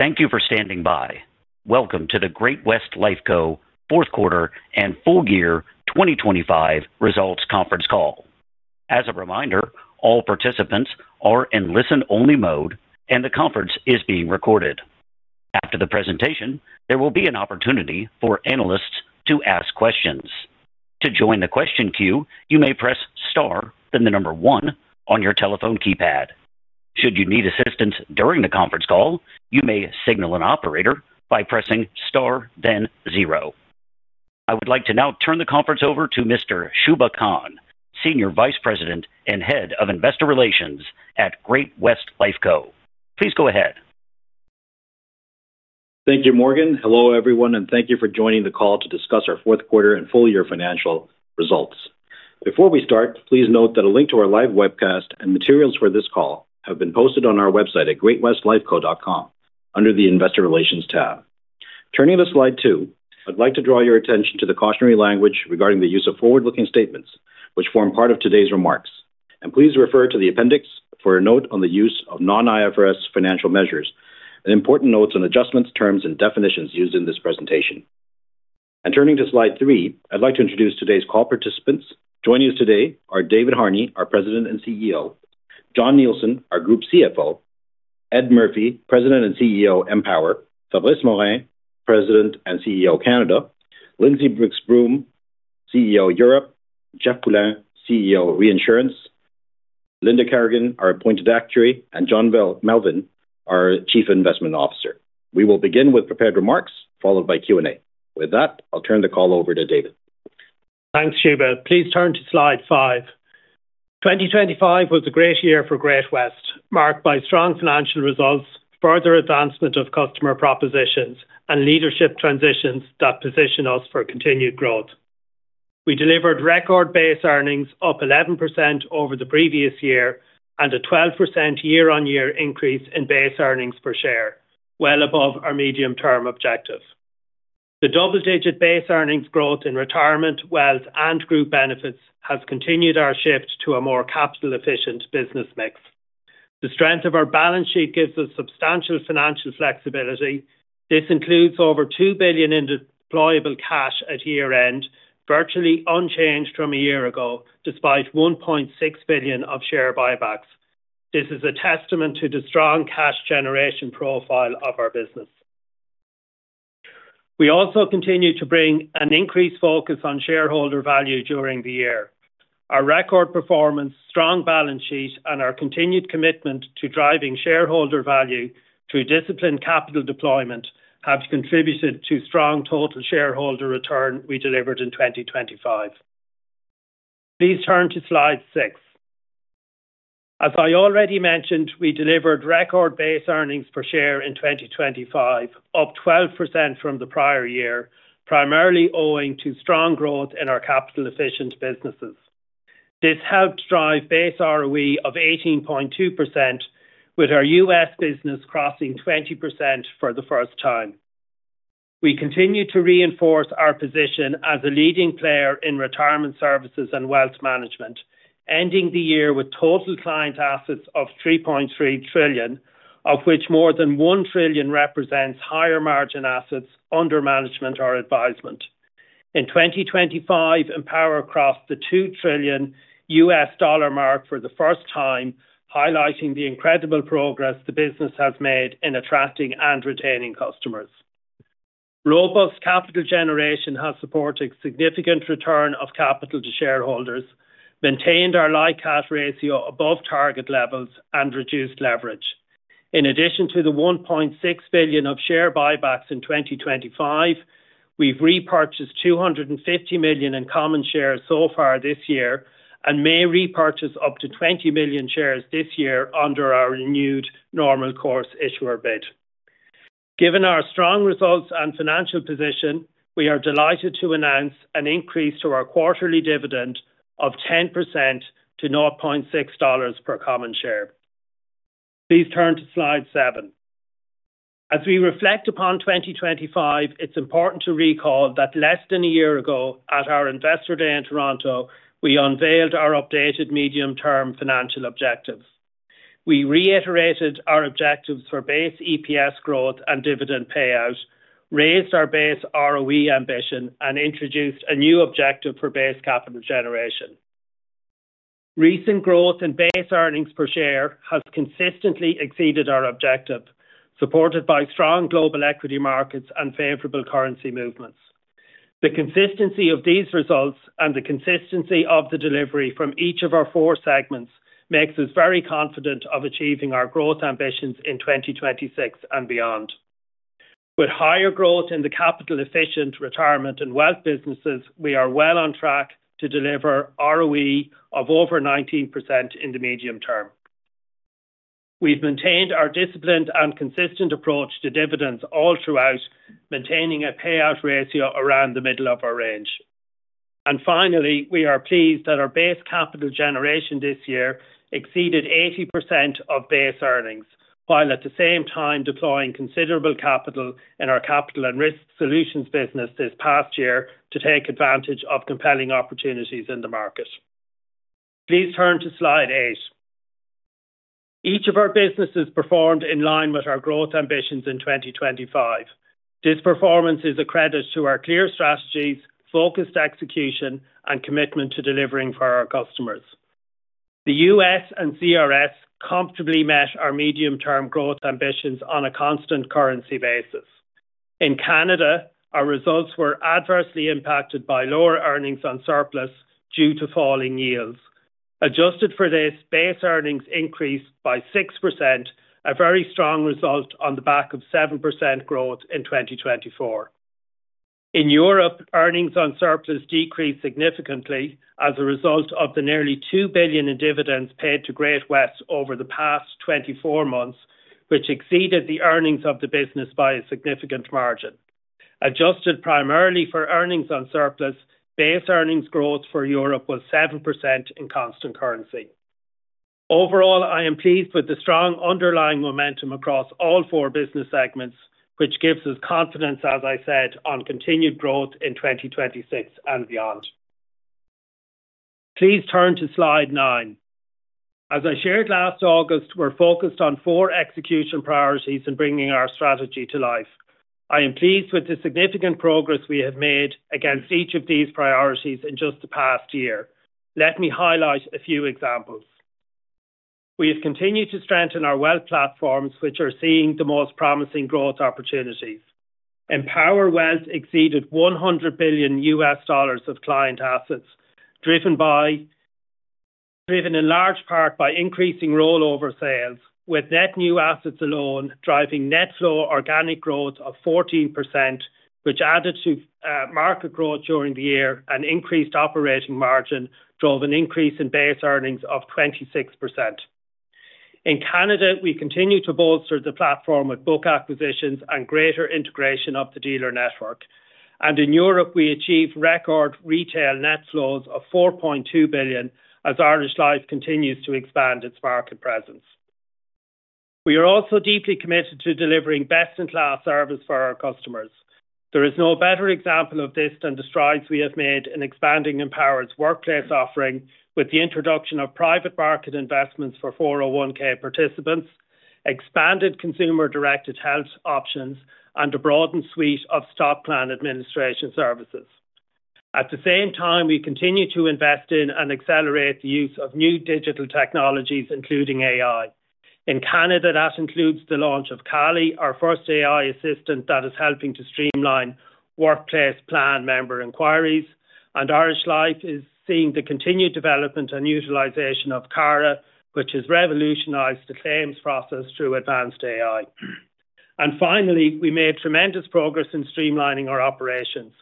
Thank you for standing by. Welcome to the Great-West Lifeco fourth quarter and full year 2025 results conference call. As a reminder, all participants are in listen-only mode, and the conference is being recorded. After the presentation, there will be an opportunity for analysts to ask questions. To join the question queue, you may press star, then the number one on your telephone keypad. Should you need assistance during the conference call, you may signal an operator by pressing star, then zero. I would like to now turn the conference over to Mr. Shubha Khan, Senior Vice President and Head of Investor Relations at Great-West Lifeco. Please go ahead. Thank you, Morgan. Hello, everyone, and thank you for joining the call to discuss our fourth quarter and full-year financial results. Before we start, please note that a link to our live webcast and materials for this call have been posted on our website at greatwestlifeco.com under the Investor Relations tab. Turning to slide two, I'd like to draw your attention to the cautionary language regarding the use of forward-looking statements, which form part of today's remarks. Please refer to the appendix for a note on the use of non-IFRS financial measures and important notes on adjustments, terms, and definitions used in this presentation. Turning to slide three, I'd like to introduce today's call participants. Joining us today are David Harney, our President and CEO, Jon Nielsen, our Group CFO, Ed Murphy, President and CEO, Empower, Fabrice Morin, President and CEO, Canada, Lindsey Rix-Broom, CEO, Europe, Jeff Poulin, CEO, Reinsurance, Linda Kerrigan, our appointed actuary, and Jon Nielsen, our Chief Investment Officer. We will begin with prepared remarks, followed by Q&A. With that, I'll turn the call over to David. Thanks, Shubha. Please turn to slide five. 2025 was a great year for Great-West, marked by strong financial results, further advancement of customer propositions, and leadership transitions that position us for continued growth. We delivered record base earnings up 11% over the previous year, and a 12% year-on-year increase in base earnings per share, well above our medium-term objective. The double-digit base earnings growth in retirement, wealth, and group benefits has continued our shift to a more capital-efficient business mix. The strength of our balance sheet gives us substantial financial flexibility. This includes over 2 billion in deployable cash at year-end, virtually unchanged from a year ago, despite 1.6 billion of share buybacks. This is a testament to the strong cash generation profile of our business. We also continue to bring an increased focus on shareholder value during the year. Our record performance, strong balance sheet, and our continued commitment to driving shareholder value through disciplined capital deployment have contributed to strong total shareholder return we delivered in 2025. Please turn to slide six. As I already mentioned, we delivered record base earnings per share in 2025, up 12% from the prior year, primarily owing to strong growth in our capital-efficient businesses. This helped drive base ROE of 18.2%, with our U.S. business crossing 20% for the first time. We continue to reinforce our position as a leading player in retirement services and wealth management, ending the year with total client assets of $3.3 trillion, of which more than $1 trillion represents higher-margin assets under management or advisement. In 2025, Empower crossed the $2 trillion mark for the first time, highlighting the incredible progress the business has made in attracting and retaining customers. Robust capital generation has supported significant return of capital to shareholders, maintained our LICAT ratio above target levels, and reduced leverage. In addition to the 1.6 billion of share buybacks in 2025, we've repurchased 250 million in common shares so far this year and may repurchase up to 20 million shares this year under our renewed normal course issuer bid. Given our strong results and financial position, we are delighted to announce an increase to our quarterly dividend of 10% to 0.60 dollars per common share. Please turn to slide seven. As we reflect upon 2025, it's important to recall that less than a year ago, at our Investor Day in Toronto, we unveiled our updated medium-term financial objectives. We reiterated our objectives for Base EPS growth and dividend payout, raised our Base ROE ambition, and introduced a new objective for base capital generation. Recent growth in Base earnings per share has consistently exceeded our objective, supported by strong global equity markets and favorable currency movements. The consistency of these results and the consistency of the delivery from each of our four segments makes us very confident of achieving our growth ambitions in 2026 and beyond. With higher growth in the capital-efficient retirement and wealth businesses, we are well on track to deliver ROE of over 19% in the medium term. We've maintained our disciplined and consistent approach to dividends all throughout, maintaining a payout ratio around the middle of our range. And finally, we are pleased that our base capital generation this year exceeded 80% of base earnings, while at the same time deploying considerable capital in our Capital and Risk Solutions business this past year to take advantage of compelling opportunities in the market. Please turn to slide eight. Each of our businesses performed in line with our growth ambitions in 2025. This performance is a credit to our clear strategies, focused execution, and commitment to delivering for our customers. The U.S. and CRS comfortably met our medium-term growth ambitions on a constant currency basis. In Canada, our results were adversely impacted by lower earnings on surplus due to falling yields. Adjusted for this, base earnings increased by 6%, a very strong result on the back of 7% growth in 2024. In Europe, earnings on surplus decreased significantly as a result of the nearly 2 billion in dividends paid to Great-West over the past 24 months, which exceeded the earnings of the business by a significant margin. Adjusted primarily for earnings on surplus, base earnings growth for Europe was 7% in constant currency. Overall, I am pleased with the strong underlying momentum across all four business segments, which gives us confidence, as I said, on continued growth in 2026 and beyond. Please turn to Slide nine. As I shared last August, we're focused on four execution priorities in bringing our strategy to life. I am pleased with the significant progress we have made against each of these priorities in just the past year. Let me highlight a few examples. We have continued to strengthen our wealth platforms, which are seeing the most promising growth opportunities. Empower Wealth exceeded $100 billion of client assets, driven in large part by increasing rollover sales, with net new assets alone driving net flow organic growth of 14%, which added to market growth during the year and increased operating margin drove an increase in base earnings of 26%. In Canada, we continue to bolster the platform with book acquisitions and greater integration of the dealer network. And in Europe, we achieved record retail net flows of 4.2 billion as Irish Life continues to expand its market presence. We are also deeply committed to delivering best-in-class service for our customers. There is no better example of this than the strides we have made in expanding Empower's workplace offering with the introduction of private market investments for 401(k) participants, expanded consumer-directed health options, and a broadened suite of stock plan administration services. At the same time, we continue to invest in and accelerate the use of new digital technologies, including AI. In Canada, that includes the launch of Callie, our first AI assistant that is helping to streamline workplace plan member inquiries, and Irish Life is seeing the continued development and utilization of Cara, which has revolutionized the claims process through advanced AI. And finally, we made tremendous progress in streamlining our operations.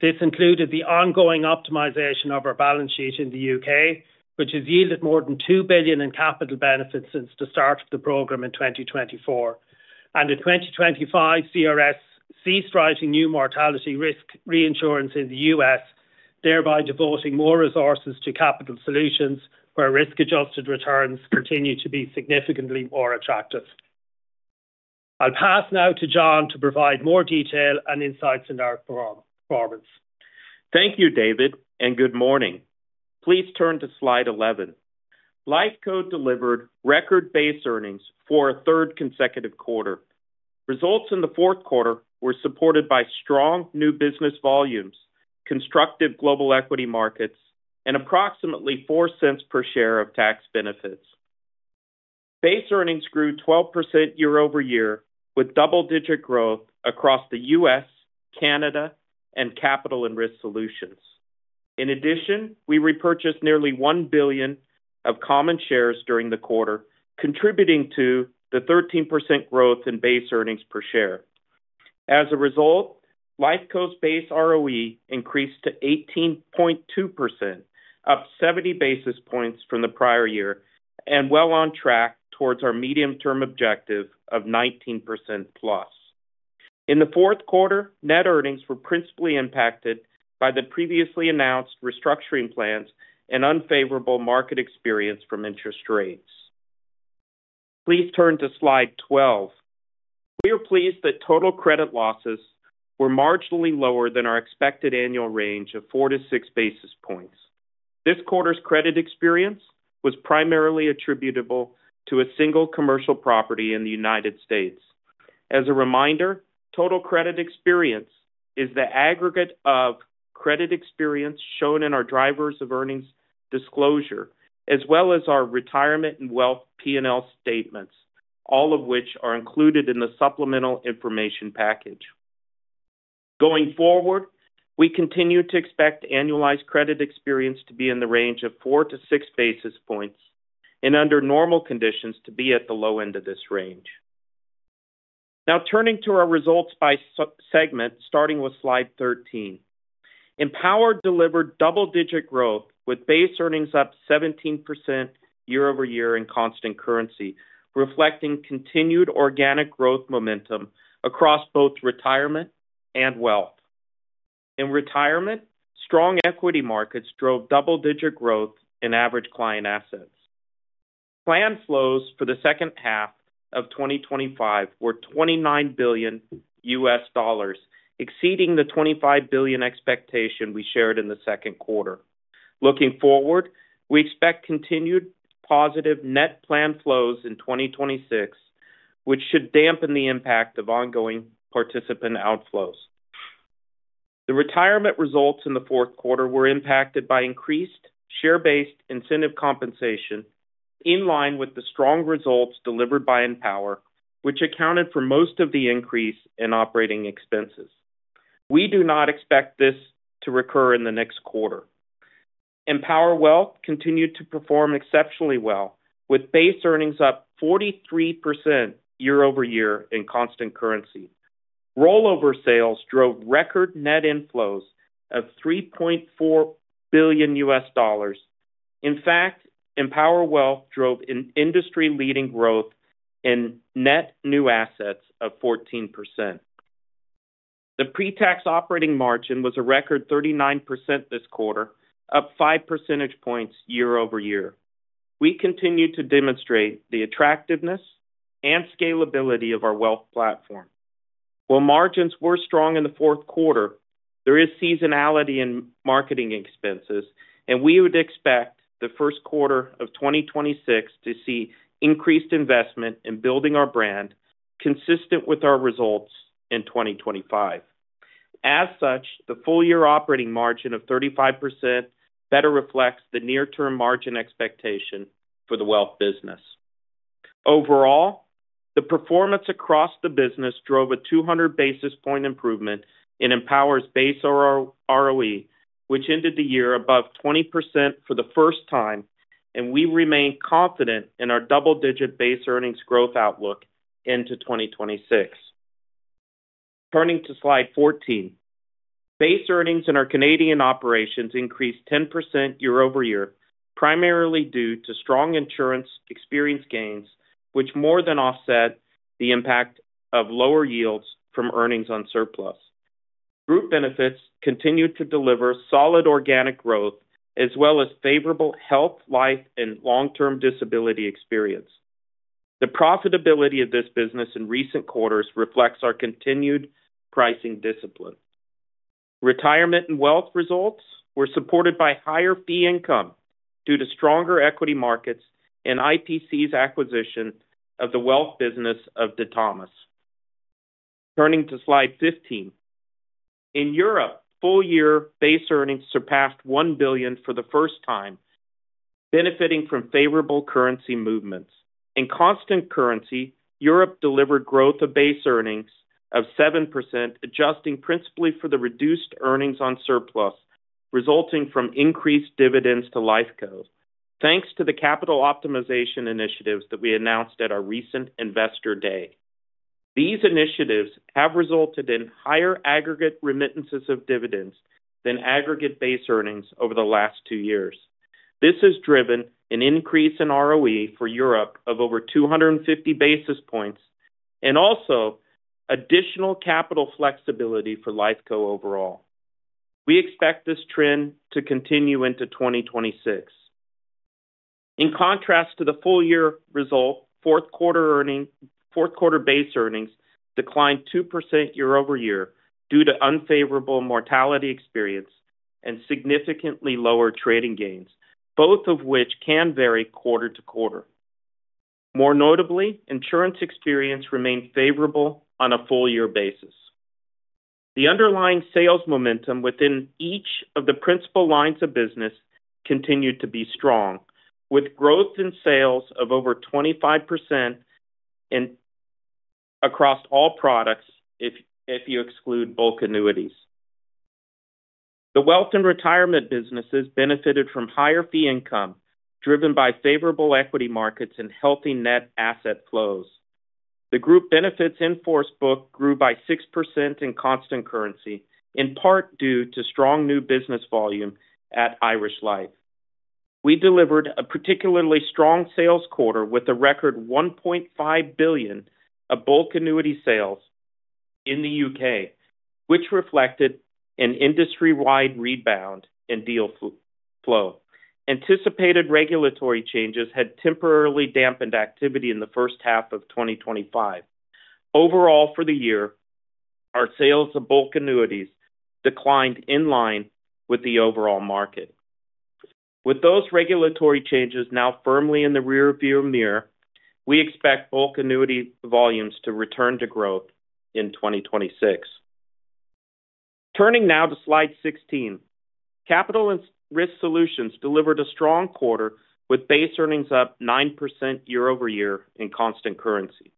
This included the ongoing optimization of our balance sheet in the UK, which has yielded more than 2 billion in capital benefits since the start of the program in 2024.In 2025, CRS ceased writing new mortality risk reinsurance in the U.S., thereby devoting more resources to capital solutions, where risk-adjusted returns continue to be significantly more attractive. I'll pass now to Jon to provide more detail and insights on our peer performance. Thank you, David, and good morning. Please turn to slide 11. Lifeco delivered record base earnings for a third consecutive quarter. Results in the fourth quarter were supported by strong new business volumes, constructive global equity markets, and approximately 0.04 per share of tax benefits. Base earnings grew 12% year-over-year, with double-digit growth across the U.S., Canada, and Capital and Risk Solutions. In addition, we repurchased nearly 1 billion of common shares during the quarter, contributing to the 13% growth in base earnings per share. As a result, Lifeco's base ROE increased to 18.2%, up 70 basis points from the prior year, and well on track towards our medium-term objective of 19%+. In the fourth quarter, net earnings were principally impacted by the previously announced restructuring plans and unfavorable market experience from interest rates. Please turn to slide 12. We are pleased that total credit losses were marginally lower than our expected annual range of 4-6 basis points. This quarter's credit experience was primarily attributable to a single commercial property in the United States. As a reminder, total credit experience is the aggregate of credit experience shown in our Drivers of Earnings disclosure, as well as our Retirement and Wealth P&L statements, all of which are included in the supplemental information package. Going forward, we continue to expect annualized credit experience to be in the range of 4-6 basis points and, under normal conditions, to be at the low end of this range. Now turning to our results by sub-segment, starting with slide 13. Empower delivered double-digit growth, with base earnings up 17% year-over-year in constant currency, reflecting continued organic growth momentum across both retirement and wealth. In retirement, strong equity markets drove double-digit growth in average client assets... Plan flows for the second half of 2025 were $29 billion, exceeding the 25 billion expectation we shared in the second quarter. Looking forward, we expect continued positive net plan flows in 2026, which should dampen the impact of ongoing participant outflows. The retirement results in the fourth quarter were impacted by increased share-based incentive compensation, in line with the strong results delivered by Empower, which accounted for most of the increase in operating expenses. We do not expect this to recur in the next quarter. Empower Wealth continued to perform exceptionally well, with base earnings up 43% year-over-year in constant currency. Rollover sales drove record net inflows of $3.4 billion. In fact, Empower Wealth drove an industry-leading growth in net new assets of 14%. The pre-tax operating margin was a record 39% this quarter, up five percentage points year-over-year. We continue to demonstrate the attractiveness and scalability of our wealth platform. While margins were strong in the fourth quarter, there is seasonality in marketing expenses, and we would expect the first quarter of 2026 to see increased investment in building our brand, consistent with our results in 2025. As such, the full year operating margin of 35% better reflects the near-term margin expectation for the wealth business. Overall, the performance across the business drove a 200 basis point improvement in Empower's base ROE, which ended the year above 20% for the first time, and we remain confident in our double-digit base earnings growth outlook into 2026. Turning to slide 14. Base earnings in our Canadian operations increased 10% year-over-year, primarily due to strong insurance experience gains, which more than offset the impact of lower yields from earnings on surplus. Group benefits continued to deliver solid organic growth, as well as favorable health, life, and long-term disability experience. The profitability of this business in recent quarters reflects our continued pricing discipline. Retirement and wealth results were supported by higher fee income due to stronger equity markets and IPC's acquisition of the wealth business of De Thomas. Turning to slide 15. In Europe, full-year base earnings surpassed 1 billion for the first time, benefiting from favorable currency movements. In constant currency, Europe delivered growth of base earnings of 7%, adjusting principally for the reduced earnings on surplus, resulting from increased dividends to Lifeco, thanks to the capital optimization initiatives that we announced at our recent Investor Day. These initiatives have resulted in higher aggregate remittances of dividends than aggregate base earnings over the last 2 years. This has driven an increase in ROE for Europe of over 250 basis points and also additional capital flexibility for Lifeco overall. We expect this trend to continue into 2026. In contrast to the full year result, fourth quarter earnings, fourth quarter base earnings declined 2% year-over-year due to unfavorable mortality experience and significantly lower trading gains, both of which can vary quarter to quarter. More notably, insurance experience remained favorable on a full year basis. The underlying sales momentum within each of the principal lines of business continued to be strong, with growth in sales of over 25% in... across all products if you exclude bulk annuities. The wealth and retirement businesses benefited from higher fee income, driven by favorable equity markets and healthy net asset flows. The group benefits in force book grew by 6% in constant currency, in part due to strong new business volume at Irish Life. We delivered a particularly strong sales quarter with a record 1.5 billion of bulk annuity sales in the UK, which reflected an industry-wide rebound in deal flow. Anticipated regulatory changes had temporarily dampened activity in the first half of 2025. Overall, for the year, our sales of bulk annuities declined in line with the overall market. With those regulatory changes now firmly in the rearview mirror, we expect bulk annuity volumes to return to growth in 2026. Turning now to slide 16. Capital and Risk Solutions delivered a strong quarter, with base earnings up 9% year-over-year in constant currency.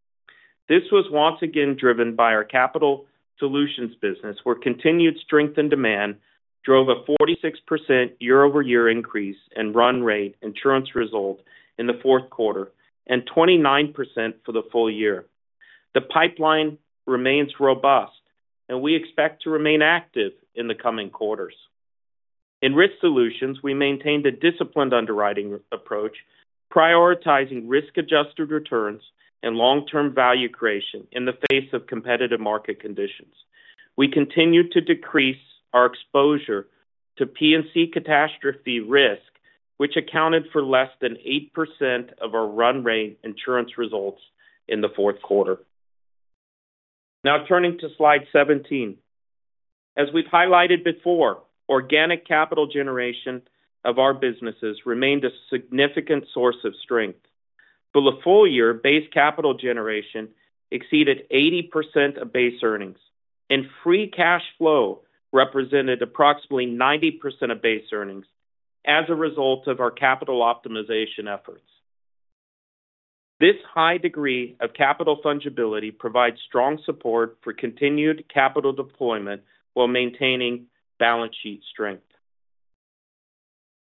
This was once again driven by our capital solutions business, where continued strength and demand drove a 46% year-over-year increase in run rate insurance results in the fourth quarter, and 29% for the full year. The pipeline remains robust, and we expect to remain active in the coming quarters. In risk solutions, we maintained a disciplined underwriting approach, prioritizing risk-adjusted returns and long-term value creation in the face of competitive market conditions.... We continue to decrease our exposure to P&C catastrophe risk, which accounted for less than 8% of our run rate insurance results in the fourth quarter. Now turning to slide 17. As we've highlighted before, organic capital generation of our businesses remained a significant source of strength. For the full year, base capital generation exceeded 80% of base earnings, and free cash flow represented approximately 90% of base earnings as a result of our capital optimization efforts. This high degree of capital fungibility provides strong support for continued capital deployment while maintaining balance sheet strength.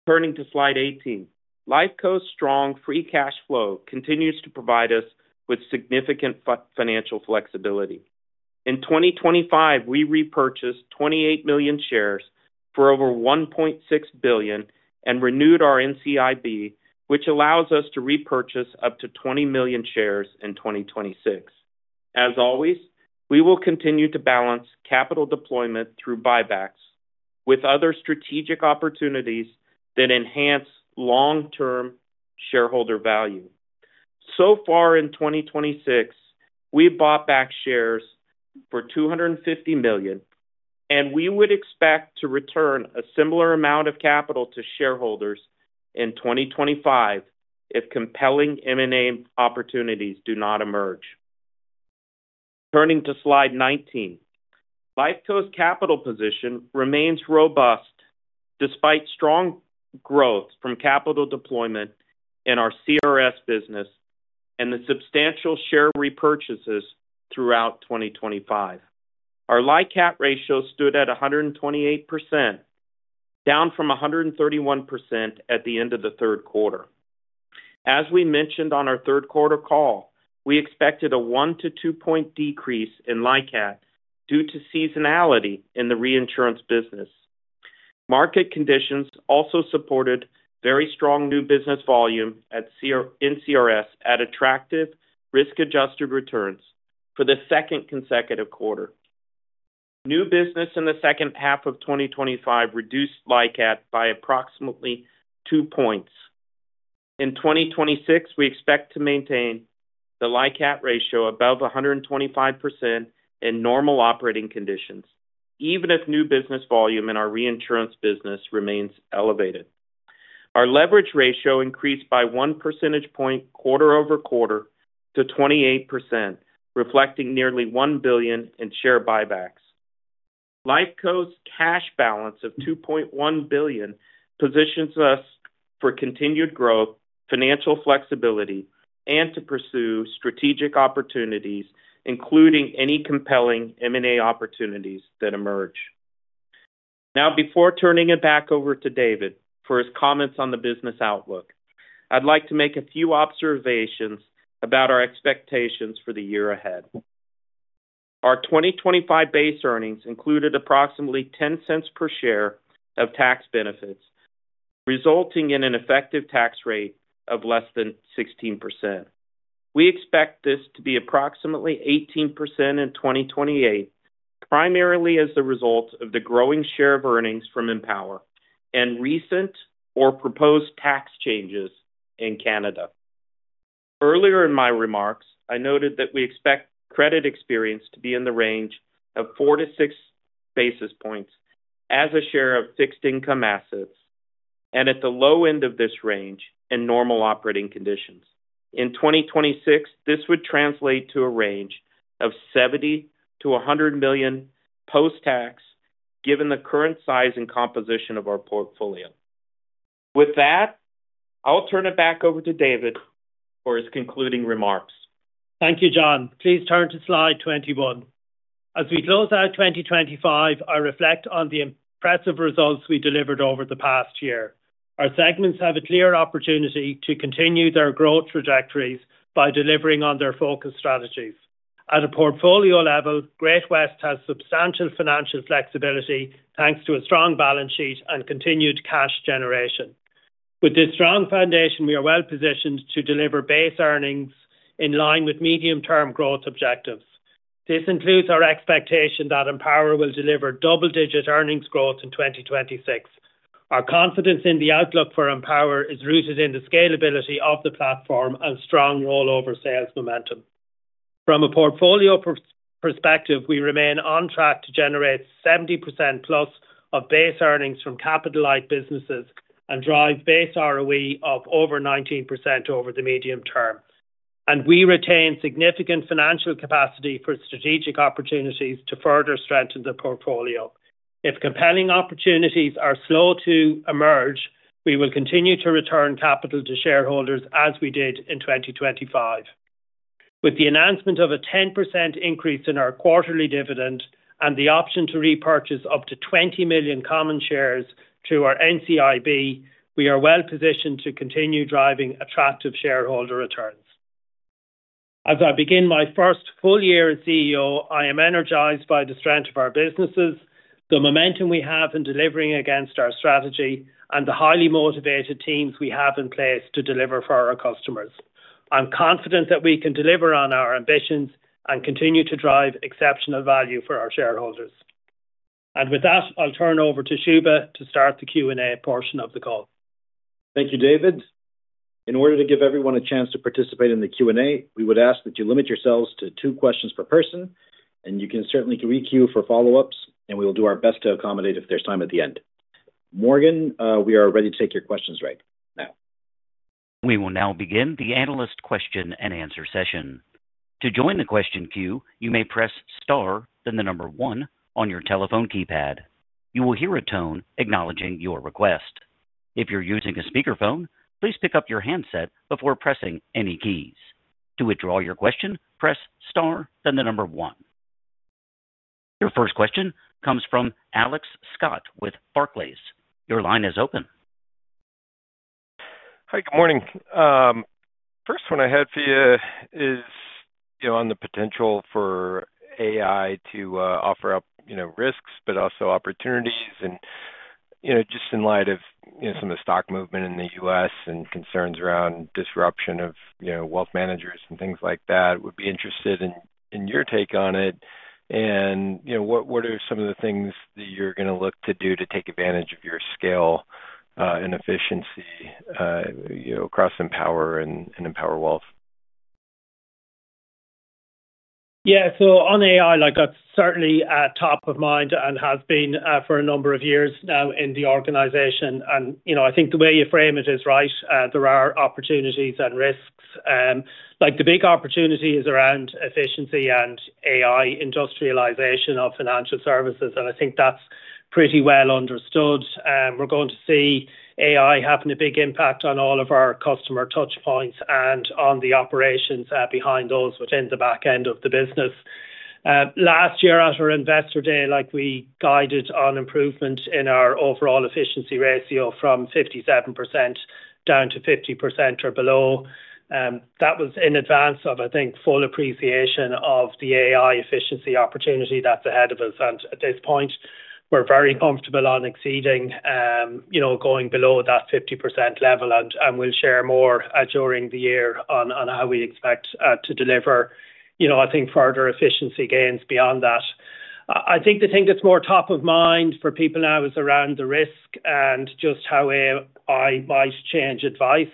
Turning to slide 18, Lifeco's strong free cash flow continues to provide us with significant financial flexibility. In 2025, we repurchased 28 million shares for over 1.6 billion and renewed our NCIB, which allows us to repurchase up to 20 million shares in 2026. As always, we will continue to balance capital deployment through buybacks with other strategic opportunities that enhance long-term shareholder value. So far in 2026, we bought back shares for 250 million, and we would expect to return a similar amount of capital to shareholders in 2025 if compelling M&A opportunities do not emerge. Turning to slide 19, Lifeco's capital position remains robust despite strong growth from capital deployment in our CRS business and the substantial share repurchases throughout 2025. Our LICAT ratio stood at 128%, down from 131% at the end of the third quarter. As we mentioned on our third quarter call, we expected a 1-2 point decrease in LICAT due to seasonality in the reinsurance business. Market conditions also supported very strong new business volume at CR- in CRS at attractive risk-adjusted returns for the second consecutive quarter. New business in the second half of 2025 reduced LICAT by approximately two points. In 2026, we expect to maintain the LICAT ratio above 125% in normal operating conditions, even if new business volume in our reinsurance business remains elevated. Our leverage ratio increased by one percentage point quarter-over-quarter to 28%, reflecting nearly 1 billion in share buybacks. Lifeco's cash balance of 2.1 billion positions us for continued growth, financial flexibility, and to pursue strategic opportunities, including any compelling M&A opportunities that emerge. Now, before turning it back over to David for his comments on the business outlook, I'd like to make a few observations about our expectations for the year ahead. Our 2025 base earnings included approximately 0.10 per share of tax benefits, resulting in an effective tax rate of less than 16%. We expect this to be approximately 18% in 2028, primarily as a result of the growing share of earnings from Empower and recent or proposed tax changes in Canada. Earlier in my remarks, I noted that we expect credit experience to be in the range of 4-6 basis points as a share of fixed income assets and at the low end of this range in normal operating conditions. In 2026, this would translate to a range of 70-100 million post-tax, given the current size and composition of our portfolio. With that, I'll turn it back over to David for his concluding remarks. Thank you, Jon. Please turn to slide 21. As we close out 2025, I reflect on the impressive results we delivered over the past year. Our segments have a clear opportunity to continue their growth trajectories by delivering on their focus strategies. At a portfolio level, Great-West has substantial financial flexibility, thanks to a strong balance sheet and continued cash generation. With this strong foundation, we are well positioned to deliver base earnings in line with medium-term growth objectives. This includes our expectation that Empower will deliver double-digit earnings growth in 2026. Our confidence in the outlook for Empower is rooted in the scalability of the platform and strong rollover sales momentum. From a portfolio perspective, we remain on track to generate 70%+ of base earnings from capital-like businesses and drive base ROE of over 19% over the medium term, and we retain significant financial capacity for strategic opportunities to further strengthen the portfolio. If compelling opportunities are slow to emerge, we will continue to return capital to shareholders as we did in 2025. With the announcement of a 10% increase in our quarterly dividend and the option to repurchase up to 20 million common shares through our NCIB, we are well positioned to continue driving attractive shareholder returns. As I begin my first full year as CEO, I am energized by the strength of our businesses... the momentum we have in delivering against our strategy and the highly motivated teams we have in place to deliver for our customers. I'm confident that we can deliver on our ambitions and continue to drive exceptional value for our shareholders. With that, I'll turn over to Shubha to start the Q&A portion of the call. Thank you, David. In order to give everyone a chance to participate in the Q&A, we would ask that you limit yourselves to two questions per person, and you can certainly queue for follow-ups, and we will do our best to accommodate if there's time at the end. Morgan, we are ready to take your questions right now. We will now begin the analyst question-and-answer session. To join the question queue, you may press star, then the number one on your telephone keypad. You will hear a tone acknowledging your request. If you're using a speakerphone, please pick up your handset before pressing any keys. To withdraw your question, press star, then the number one. Your first question comes from Alex Scott with Barclays. Your line is open. Hi, good morning. First one I had for you is, you know, on the potential for AI to offer up, you know, risks but also opportunities. And, you know, just in light of, you know, some of the stock movement in the U.S. and concerns around disruption of, you know, wealth managers and things like that, would be interested in your take on it. And, you know, what are some of the things that you're going to look to do to take advantage of your scale and efficiency, you know, across Empower and Empower Wealth? Yeah. So on AI, like, that's certainly top of mind and has been for a number of years now in the organization. And, you know, I think the way you frame it is right. There are opportunities and risks. Like, the big opportunity is around efficiency and AI industrialization of financial services, and I think that's pretty well understood. We're going to see AI having a big impact on all of our customer touch points and on the operations behind those, which in the back end of the business. Last year at our Investor Day, like, we guided on improvement in our overall efficiency ratio from 57% down to 50% or below. That was in advance of, I think, full appreciation of the AI efficiency opportunity that's ahead of us. At this point, we're very comfortable on exceeding, you know, going below that 50% level. And we'll share more during the year on how we expect to deliver, you know, I think, further efficiency gains beyond that. I think the thing that's more top of mind for people now is around the risk and just how AI might change advice.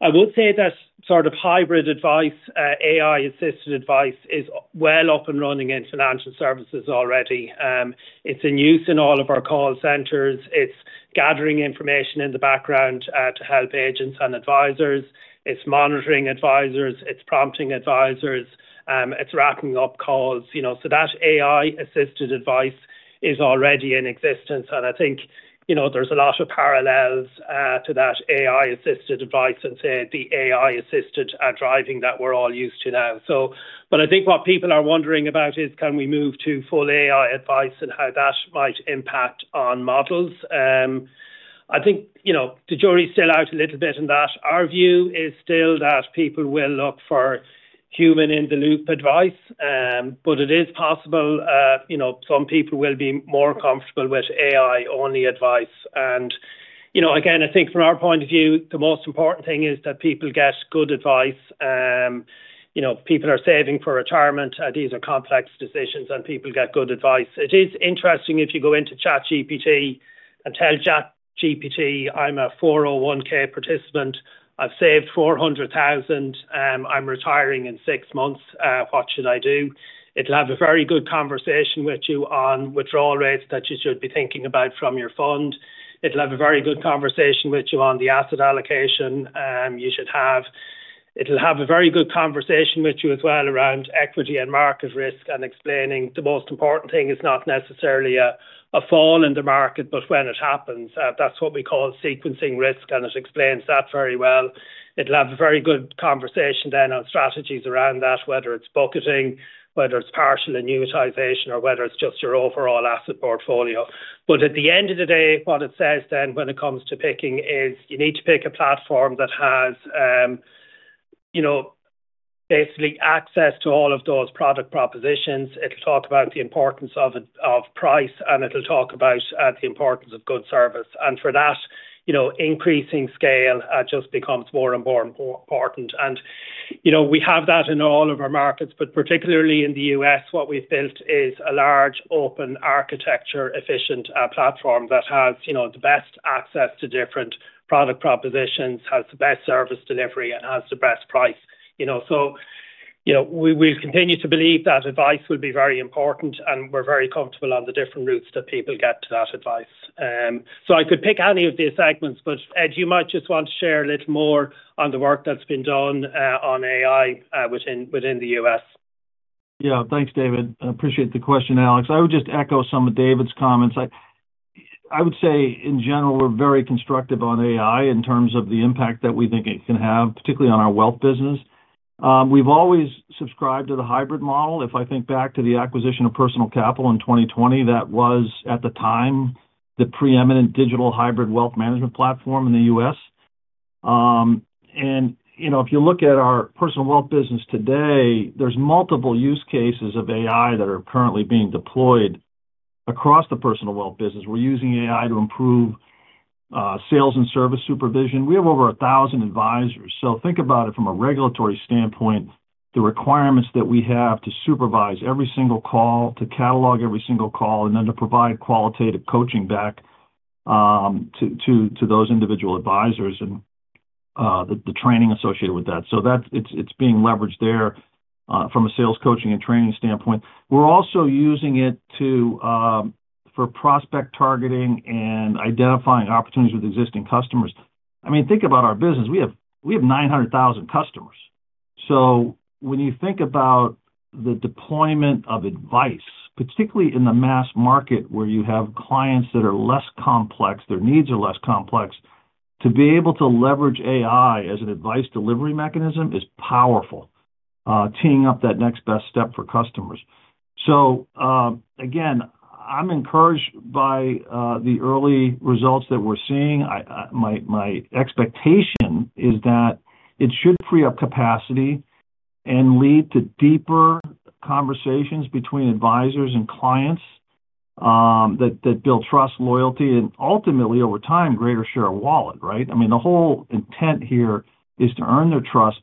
I would say that sort of hybrid advice, AI-assisted advice, is well up and running in financial services already. It's in use in all of our call centers. It's gathering information in the background to help agents and advisors. It's monitoring advisors, it's prompting advisors, it's wrapping up calls, you know. So that AI-assisted advice is already in existence, and I think, you know, there's a lot of parallels to that AI-assisted advice and, say, the AI-assisted driving that we're all used to now, so. But I think what people are wondering about is, can we move to full AI advice and how that might impact on models? I think, you know, the jury's still out a little bit on that. Our view is still that people will look for human-in-the-loop advice, but it is possible, you know, some people will be more comfortable with AI-only advice. And, you know, again, I think from our point of view, the most important thing is that people get good advice. You know, people are saving for retirement. These are complex decisions, and people get good advice. It is interesting if you go into ChatGPT and tell ChatGPT, "I'm a 401(k) participant. I've saved $400,000. I'm retiring in six months. What should I do?" It'll have a very good conversation with you on withdrawal rates that you should be thinking about from your fund. It'll have a very good conversation with you on the asset allocation you should have. It'll have a very good conversation with you as well around equity and market risk and explaining the most important thing is not necessarily a fall in the market, but when it happens. That's what we call sequencing risk, and it explains that very well. It'll have a very good conversation then on strategies around that, whether it's bucketing, whether it's partial annuitization, or whether it's just your overall asset portfolio. But at the end of the day, what it says then, when it comes to picking is, you need to pick a platform that has, you know, basically access to all of those product propositions. It'll talk about the importance of price, and it'll talk about the importance of good service. And for that, you know, increasing scale just becomes more and more and more important. And, you know, we have that in all of our markets, but particularly in the U.S., what we've built is a large, open, architecture-efficient platform that has, you know, the best access to different product propositions, has the best service delivery, and has the best price. You know, so, you know, we, we've continued to believe that advice will be very important, and we're very comfortable on the different routes that people get to that advice. So, I could pick any of the segments, but Ed, you might just want to share a little more on the work that's been done on AI within the U.S. Yeah. Thanks, David. I appreciate the question, Alex. I would just echo some of David's comments. I, I would say, in general, we're very constructive on AI in terms of the impact that we think it can have, particularly on our wealth business. We've always subscribed to the hybrid model. If I think back to the acquisition of Personal Capital in 2020, that was, at the time, the preeminent digital hybrid wealth management platform in the U.S.... And, you know, if you look at our personal wealth business today, there's multiple use cases of AI that are currently being deployed across the personal wealth business. We're using AI to improve sales and service supervision. We have over 1,000 advisors. So think about it from a regulatory standpoint, the requirements that we have to supervise every single call, to catalog every single call, and then to provide qualitative coaching back to those individual advisors and the training associated with that. So that's it, it's being leveraged there from a sales, coaching, and training standpoint. We're also using it to for prospect targeting and identifying opportunities with existing customers. I mean, think about our business. We have 900,000 customers. So when you think about the deployment of advice, particularly in the mass market, where you have clients that are less complex, their needs are less complex, to be able to leverage AI as an advice delivery mechanism is powerful, teeing up that next best step for customers. So, again, I'm encouraged by the early results that we're seeing. My, my expectation is that it should free up capacity and lead to deeper conversations between advisors and clients, that, that build trust, loyalty, and ultimately, over time, greater share of wallet, right? I mean, the whole intent here is to earn their trust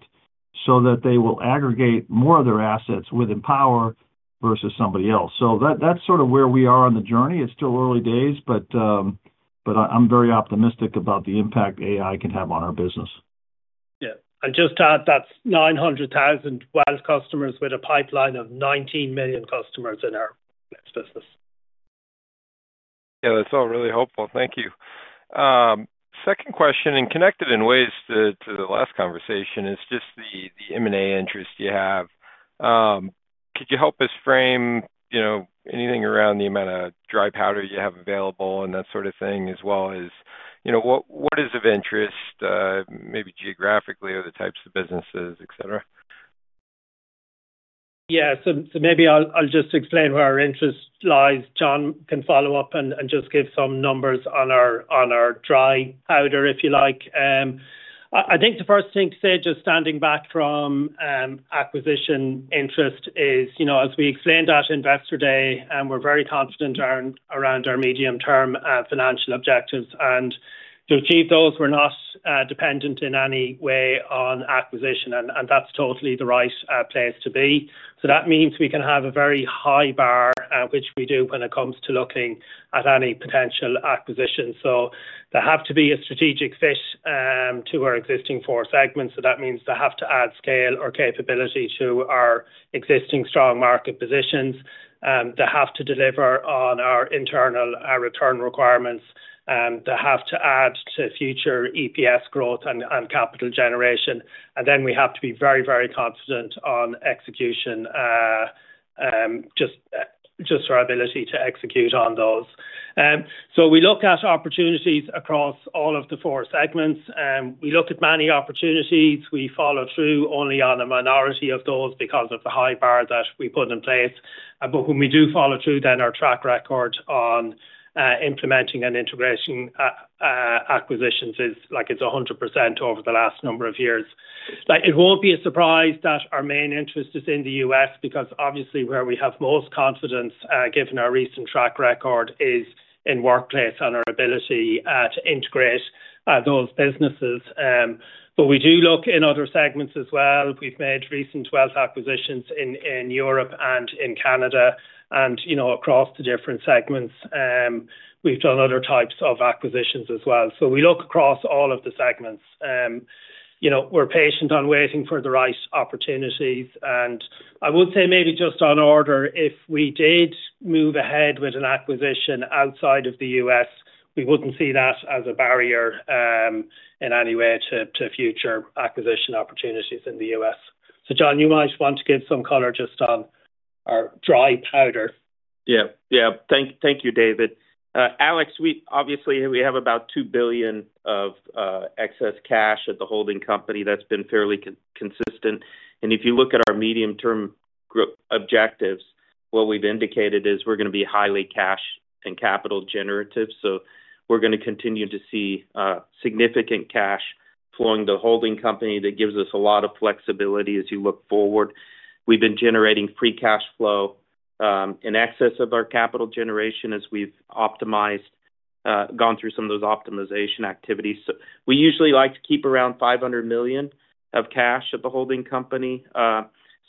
so that they will aggregate more of their assets with Empower versus somebody else. So that's sort of where we are on the journey. It's still early days, but, but I, I'm very optimistic about the impact AI can have on our business. Yeah. I'd just add, that's 900,000 wealth customers with a pipeline of 19 million customers in our business. Yeah, that's all really helpful. Thank you. Second question, and connected in ways to, to the last conversation, is just the, the M&A interest you have. Could you help us frame, you know, anything around the amount of dry powder you have available and that sort of thing, as well as, you know, what, what is of interest, maybe geographically or the types of businesses, et cetera? Yeah. So maybe I'll just explain where our interest lies. Jon can follow up and just give some numbers on our dry powder, if you like. I think the first thing to say, just standing back from acquisition interest is, you know, as we explained at Investor Day, we're very confident around our medium-term financial objectives. And to achieve those, we're not dependent in any way on acquisition, and that's totally the right place to be. So that means we can have a very high bar, which we do when it comes to looking at any potential acquisition. So they have to be a strategic fit to our existing four segments. So that means they have to add scale or capability to our existing strong market positions. They have to deliver on our internal return requirements. They have to add to future EPS growth and capital generation, and then we have to be very, very confident on execution, just our ability to execute on those. So we look at opportunities across all of the four segments. We look at many opportunities. We follow through only on a minority of those because of the high bar that we put in place. But when we do follow through, then our track record on implementing and integrating acquisitions is like it's 100% over the last number of years. Like, it won't be a surprise that our main interest is in the U.S. because obviously where we have most confidence, given our recent track record, is in workplace and our ability to integrate those businesses. But we do look in other segments as well. We've made recent wealth acquisitions in, in Europe and in Canada, and, you know, across the different segments. We've done other types of acquisitions as well. So we look across all of the segments. You know, we're patient on waiting for the right opportunities, and I would say maybe just on order, if we did move ahead with an acquisition outside of the U.S., we wouldn't see that as a barrier, in any way to, to future acquisition opportunities in the U.S. So Jon, you might want to give some color just on our dry powder. Yeah. Yeah. Thank you, David. Alex, we obviously have about 2 billion of excess cash at the holding company. That's been fairly consistent. And if you look at our medium-term group objectives, what we've indicated is we're going to be highly cash and capital generative. So we're going to continue to see significant cash flowing to the holding company. That gives us a lot of flexibility as you look forward. We've been generating free cash flow in excess of our capital generation as we've optimized, gone through some of those optimization activities. So we usually like to keep around 500 million of cash at the holding company,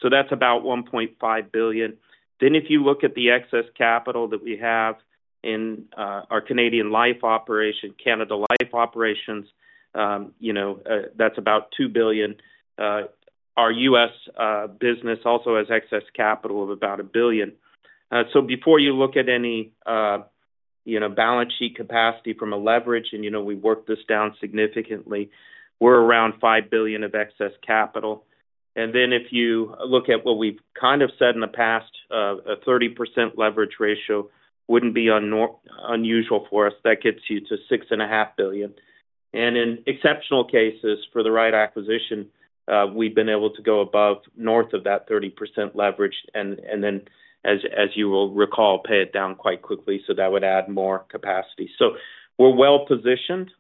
so that's about 1.5 billion. Then, if you look at the excess capital that we have in our Canada Life operation, Canada Life operations, you know, that's about 2 billion. Our U.S. business also has excess capital of about 1 billion. So before you look at any, you know, balance sheet capacity from a leverage, and, you know, we worked this down significantly, we're around 5 billion of excess capital. And then if you look at what we've kind of said in the past, a 30% leverage ratio wouldn't be unusual for us. That gets you to 6.5 billion. And in exceptional cases, for the right acquisition- ... we've been able to go above, north of that 30% leverage, and then, as you will recall, pay it down quite quickly, so that would add more capacity. So we're well positioned.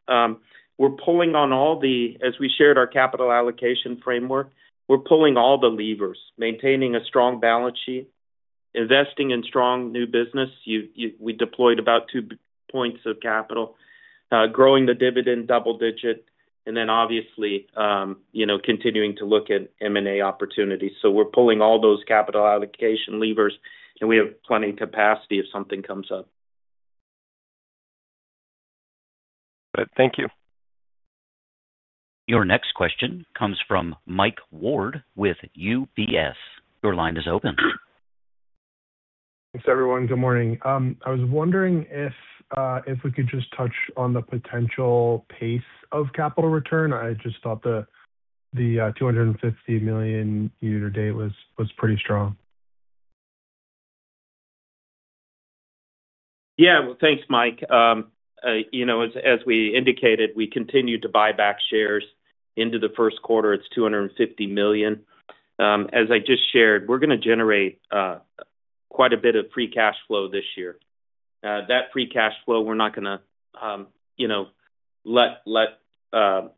We're pulling on all the—as we shared our capital allocation framework, we're pulling all the levers, maintaining a strong balance sheet, investing in strong new business. You—we deployed about two points of capital, growing the dividend double-digit, and then obviously, you know, continuing to look at M&A opportunities. So we're pulling all those capital allocation levers, and we have plenty of capacity if something comes up. Good. Thank you. Your next question comes from Mike Ward with UBS. Your line is open. Thanks, everyone. Good morning. I was wondering if we could just touch on the potential pace of capital return. I just thought the 250 million year-to-date was pretty strong. Yeah. Well, thanks, Mike. You know, as we indicated, we continued to buy back shares into the first quarter. It's 250 million. As I just shared, we're gonna generate quite a bit of free cash flow this year. That free cash flow, we're not gonna, you know, let it,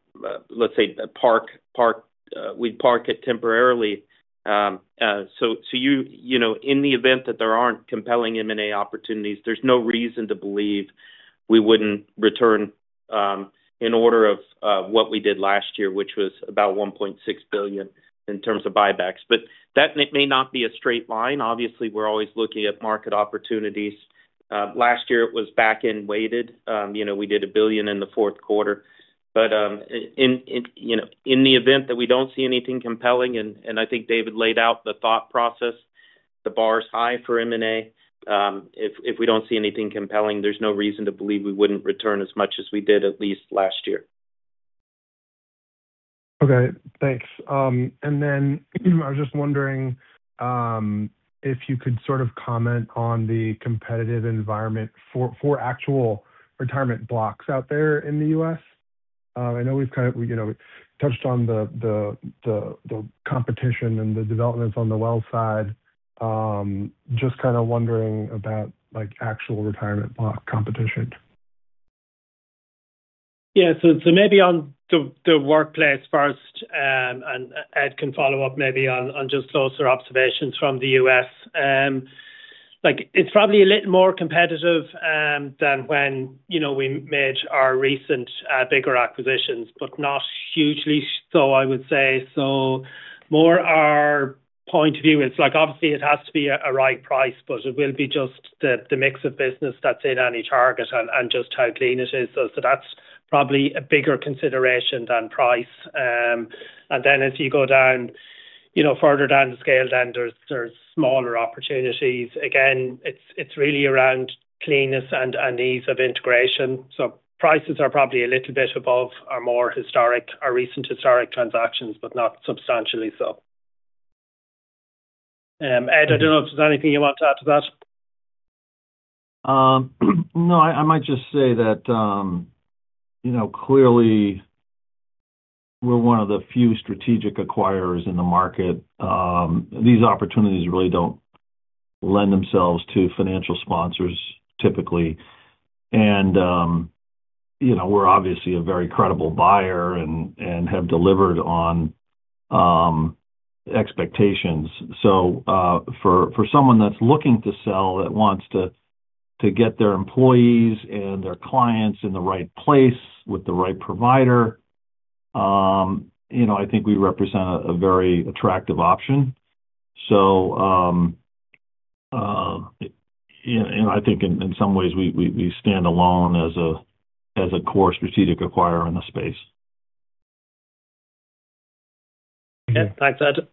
let's say, park it temporarily. So you know, in the event that there aren't compelling M&A opportunities, there's no reason to believe we wouldn't return in order of what we did last year, which was about 1.6 billion in terms of buybacks. But that may not be a straight line. Obviously, we're always looking at market opportunities. Last year it was back and weighted. You know, we did 1 billion in the fourth quarter, but in you know, in the event that we don't see anything compelling, and I think David laid out the thought process, the bar is high for M&A. If we don't see anything compelling, there's no reason to believe we wouldn't return as much as we did, at least last year. Okay, thanks. And then I was just wondering if you could sort of comment on the competitive environment for actual retirement blocks out there in the U.S.? I know we've kind of, you know, touched on the competition and the developments on the wealth side. Just kind of wondering about, like, actual retirement block competition. Yeah. So maybe on the workplace first, and Ed can follow up maybe on just closer observations from the U.S. Like, it's probably a little more competitive than when, you know, we made our recent bigger acquisitions, but not hugely so, I would say. So more our point of view, it's like, obviously, it has to be a right price, but it will be just the mix of business that's in any target and just how clean it is. So that's probably a bigger consideration than price. And then as you go down, you know, further down the scale, then there's smaller opportunities. Again, it's really around cleanness and ease of integration. So prices are probably a little bit above our more historic, our recent historic transactions, but not substantially so. Ed, I don't know if there's anything you want to add to that. No, I might just say that, you know, clearly, we're one of the few strategic acquirers in the market. These opportunities really don't lend themselves to financial sponsors, typically. And, you know, we're obviously a very credible buyer and have delivered on expectations. So, for someone that's looking to sell, that wants to get their employees and their clients in the right place with the right provider, you know, I think we represent a very attractive option. So, and I think in some ways, we stand alone as a core strategic acquirer in the space. Yeah. Thanks, Ed.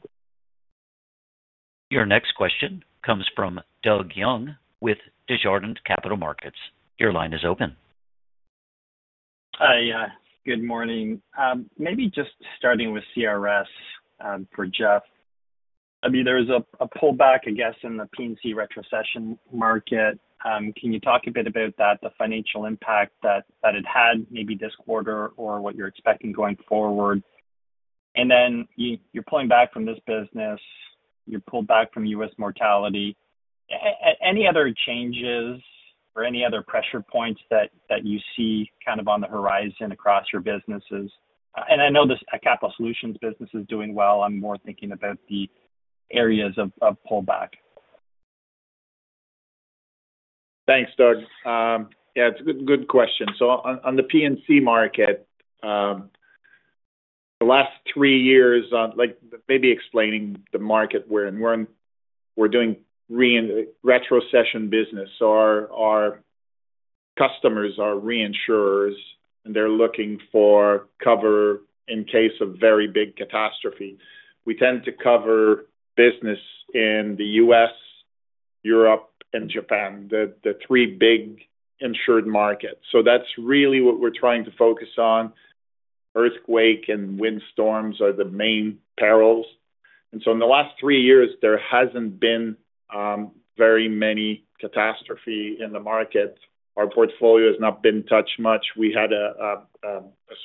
Your next question comes from Doug Young with Desjardins Capital Markets. Your line is open. Hi, good morning. Maybe just starting with CRS, for Jeff. I mean, there was a pullback, I guess, in the P&C retrocession market. Can you talk a bit about that, the financial impact that it had, maybe this quarter or what you're expecting going forward? And then you're pulling back from this business, you pulled back from US Mortality. Any other changes or any other pressure points that you see kind of on the horizon across your businesses? And I know this, the Capital Solutions business is doing well. I'm more thinking about the areas of pullback. Thanks, Doug. Yeah, it's a good, good question. So on, on the P&C market, the last three years on, like, maybe explaining the market we're in, we're in—we're doing retrocession business. So our, our customers are reinsurers, and they're looking for cover in case of very big catastrophe. We tend to cover business in the U.S., Europe, and Japan, the, the three big insured markets. So that's really what we're trying to focus on. Earthquake and windstorms are the main perils. In the last three years, there hasn't been very many catastrophes in the market. Our portfolio has not been touched much. We had a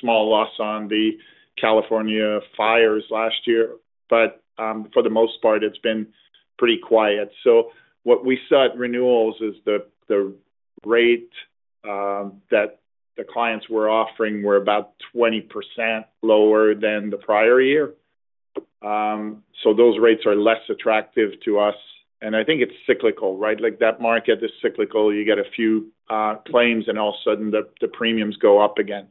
small loss on the California fires last year, but for the most part, it's been pretty quiet. So what we saw at renewals is the rate that the clients were offering were about 20% lower than the prior year. So those rates are less attractive to us, and I think it's cyclical, right? Like, that market is cyclical. You get a few claims, and all of a sudden, the premiums go up again.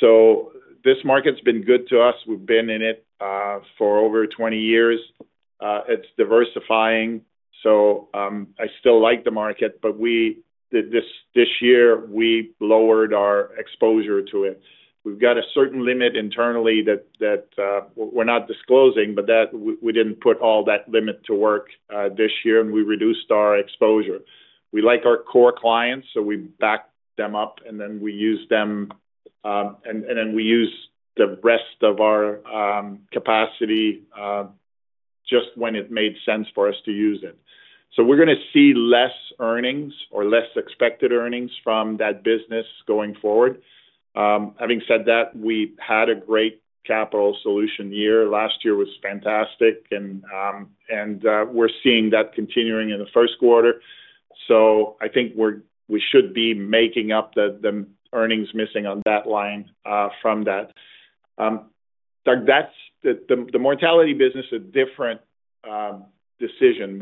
So this market's been good to us. We've been in it for over 20 years. It's diversifying, so I still like the market, but this year, we lowered our exposure to it. We've got a certain limit internally that we're not disclosing, but that we didn't put all that limit to work, this year, and we reduced our exposure. We like our core clients, so we backed them up, and then we used them, and then we used the rest of our capacity, just when it made sense for us to use it. So we're going to see less earnings or less expected earnings from that business going forward. Having said that, we've had a great capital solution year. Last year was fantastic, and we're seeing that continuing in the first quarter. So I think we're we should be making up the earnings missing on that line, from that. Like, that's the mortality business, a different decision.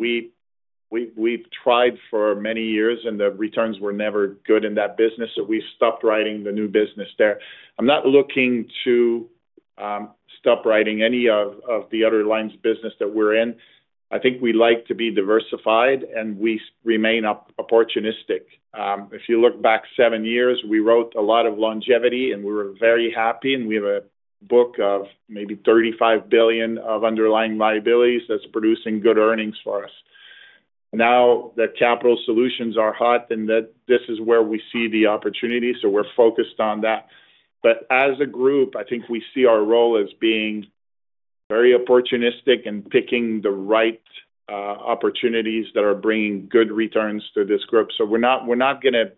We've tried for many years, and the returns were never good in that business, so we stopped writing the new business there. I'm not looking to stop writing any of the other lines of business that we're in. I think we like to be diversified, and we remain opportunistic. If you look back seven years, we wrote a lot of longevity, and we were very happy, and we have a book of maybe 35 billion of underlying liabilities that's producing good earnings for us. Now that capital solutions are hot, then that this is where we see the opportunity, so we're focused on that. But as a group, I think we see our role as being very opportunistic and picking the right opportunities that are bringing good returns to this group. So we're not going to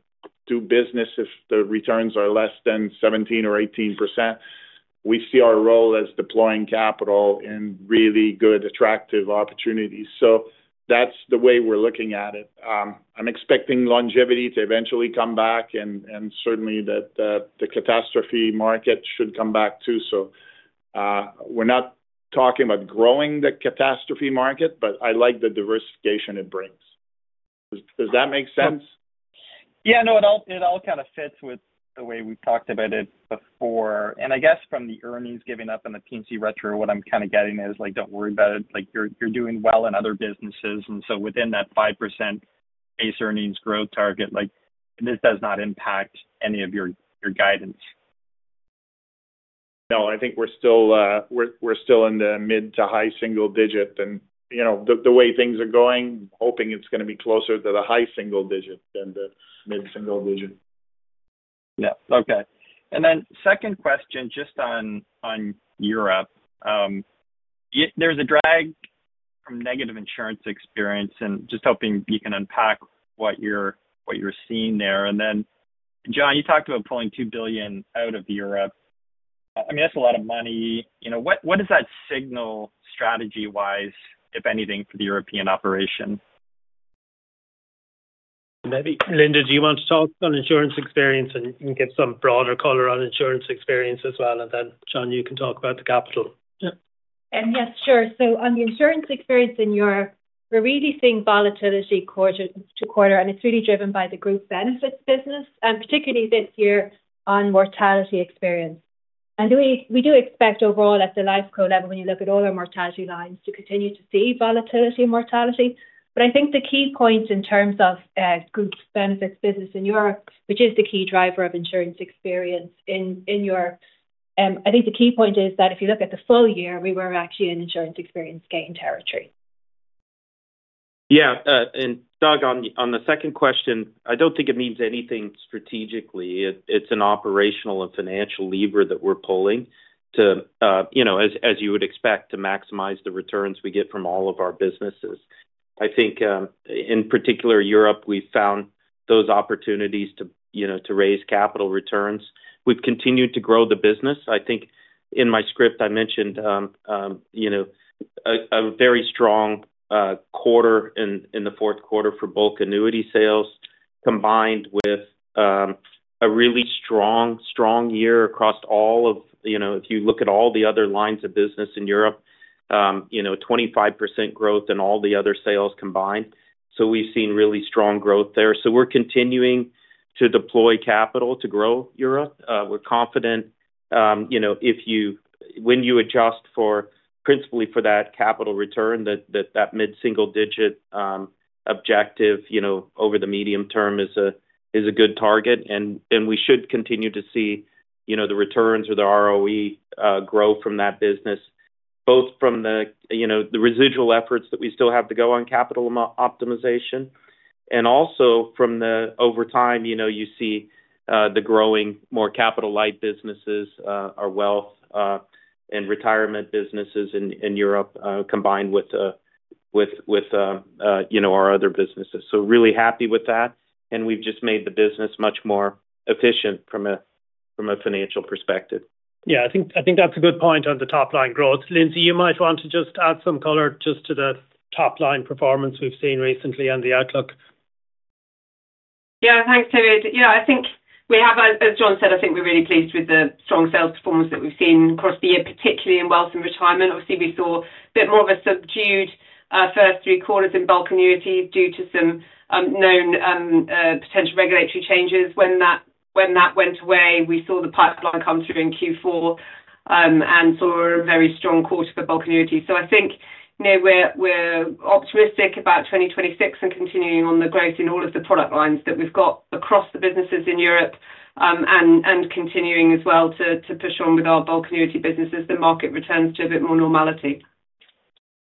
do business if the returns are less than 17%-18%. We see our role as deploying capital in really good, attractive opportunities. So that's the way we're looking at it. I'm expecting longevity to eventually come back, and certainly that the catastrophe market should come back, too. So, we're not talking about growing the catastrophe market, but I like the diversification it brings. Does that make sense? Yeah, no, it all, it all kind of fits with the way we've talked about it before. And I guess from the earnings giving up on the P&C retro, what I'm kind of getting is, like, don't worry about it. Like, you're, you're doing well in other businesses, and so within that 5% Base earnings growth target, like, this does not impact any of your, your guidance. No, I think we're still in the mid- to high-single-digit. And, you know, the way things are going, hoping it's going to be closer to the high-single-digit than the mid-single-digit. Yeah. Okay. And then second question, just on Europe. There's a drag from negative insurance experience, and just hoping you can unpack what you're seeing there. And then, Jon, you talked about pulling 2 billion out of Europe. I mean, that's a lot of money. You know, what does that signal strategy-wise, if anything, for the European operation? Maybe, Linda, do you want to talk on insurance experience and give some broader color on insurance experience as well? And then, Jon, you can talk about the capital. Yeah. And yes, sure. So on the insurance experience in Europe, we're really seeing volatility quarter to quarter, and it's really driven by the group benefits business, and particularly this year on mortality experience. And we do expect overall at the Lifeco level, when you look at all our mortality lines, to continue to see volatility in mortality. But I think the key points in terms of group benefits business in Europe, which is the key driver of insurance experience in Europe, I think the key point is that if you look at the full year, we were actually in insurance experience gain territory. Yeah, and Doug, on the second question, I don't think it means anything strategically. It's an operational and financial lever that we're pulling to, you know, as you would expect, to maximize the returns we get from all of our businesses. I think, in particular, Europe, we found those opportunities to, you know, to raise capital returns. We've continued to grow the business. I think in my script, I mentioned, you know, a very strong quarter in the fourth quarter for bulk annuity sales, combined with a really strong year across all of... You know, if you look at all the other lines of business in Europe, you know, 25% growth in all the other sales combined. So we've seen really strong growth there. So we're continuing to deploy capital to grow Europe. We're confident, you know, when you adjust for, principally for that capital return, that mid-single digit objective, you know, over the medium term is a good target. And then we should continue to see, you know, the returns or the ROE grow from that business, both from the, you know, the residual efforts that we still have to go on capital optimization... And also from the over time, you know, you see, the growing more capital light businesses, our wealth and retirement businesses in Europe, combined with you know, our other businesses. So really happy with that, and we've just made the business much more efficient from a financial perspective. Yeah, I think, I think that's a good point on the top line growth. Lindsey, you might want to just add some color just to the top line performance we've seen recently and the outlook. Yeah, thanks, David. Yeah, I think we have, as Jon said, I think we're really pleased with the strong sales performance that we've seen across the year, particularly in wealth and retirement. Obviously, we saw a bit more of a subdued first three quarters in bulk annuities due to some known potential regulatory changes. When that went away, we saw the pipeline come through in Q4 and saw a very strong quarter for bulk annuities. So I think, you know, we're optimistic about 2026 and continuing on the growth in all of the product lines that we've got across the businesses in Europe and continuing as well to push on with our bulk annuity businesses as the market returns to a bit more normality.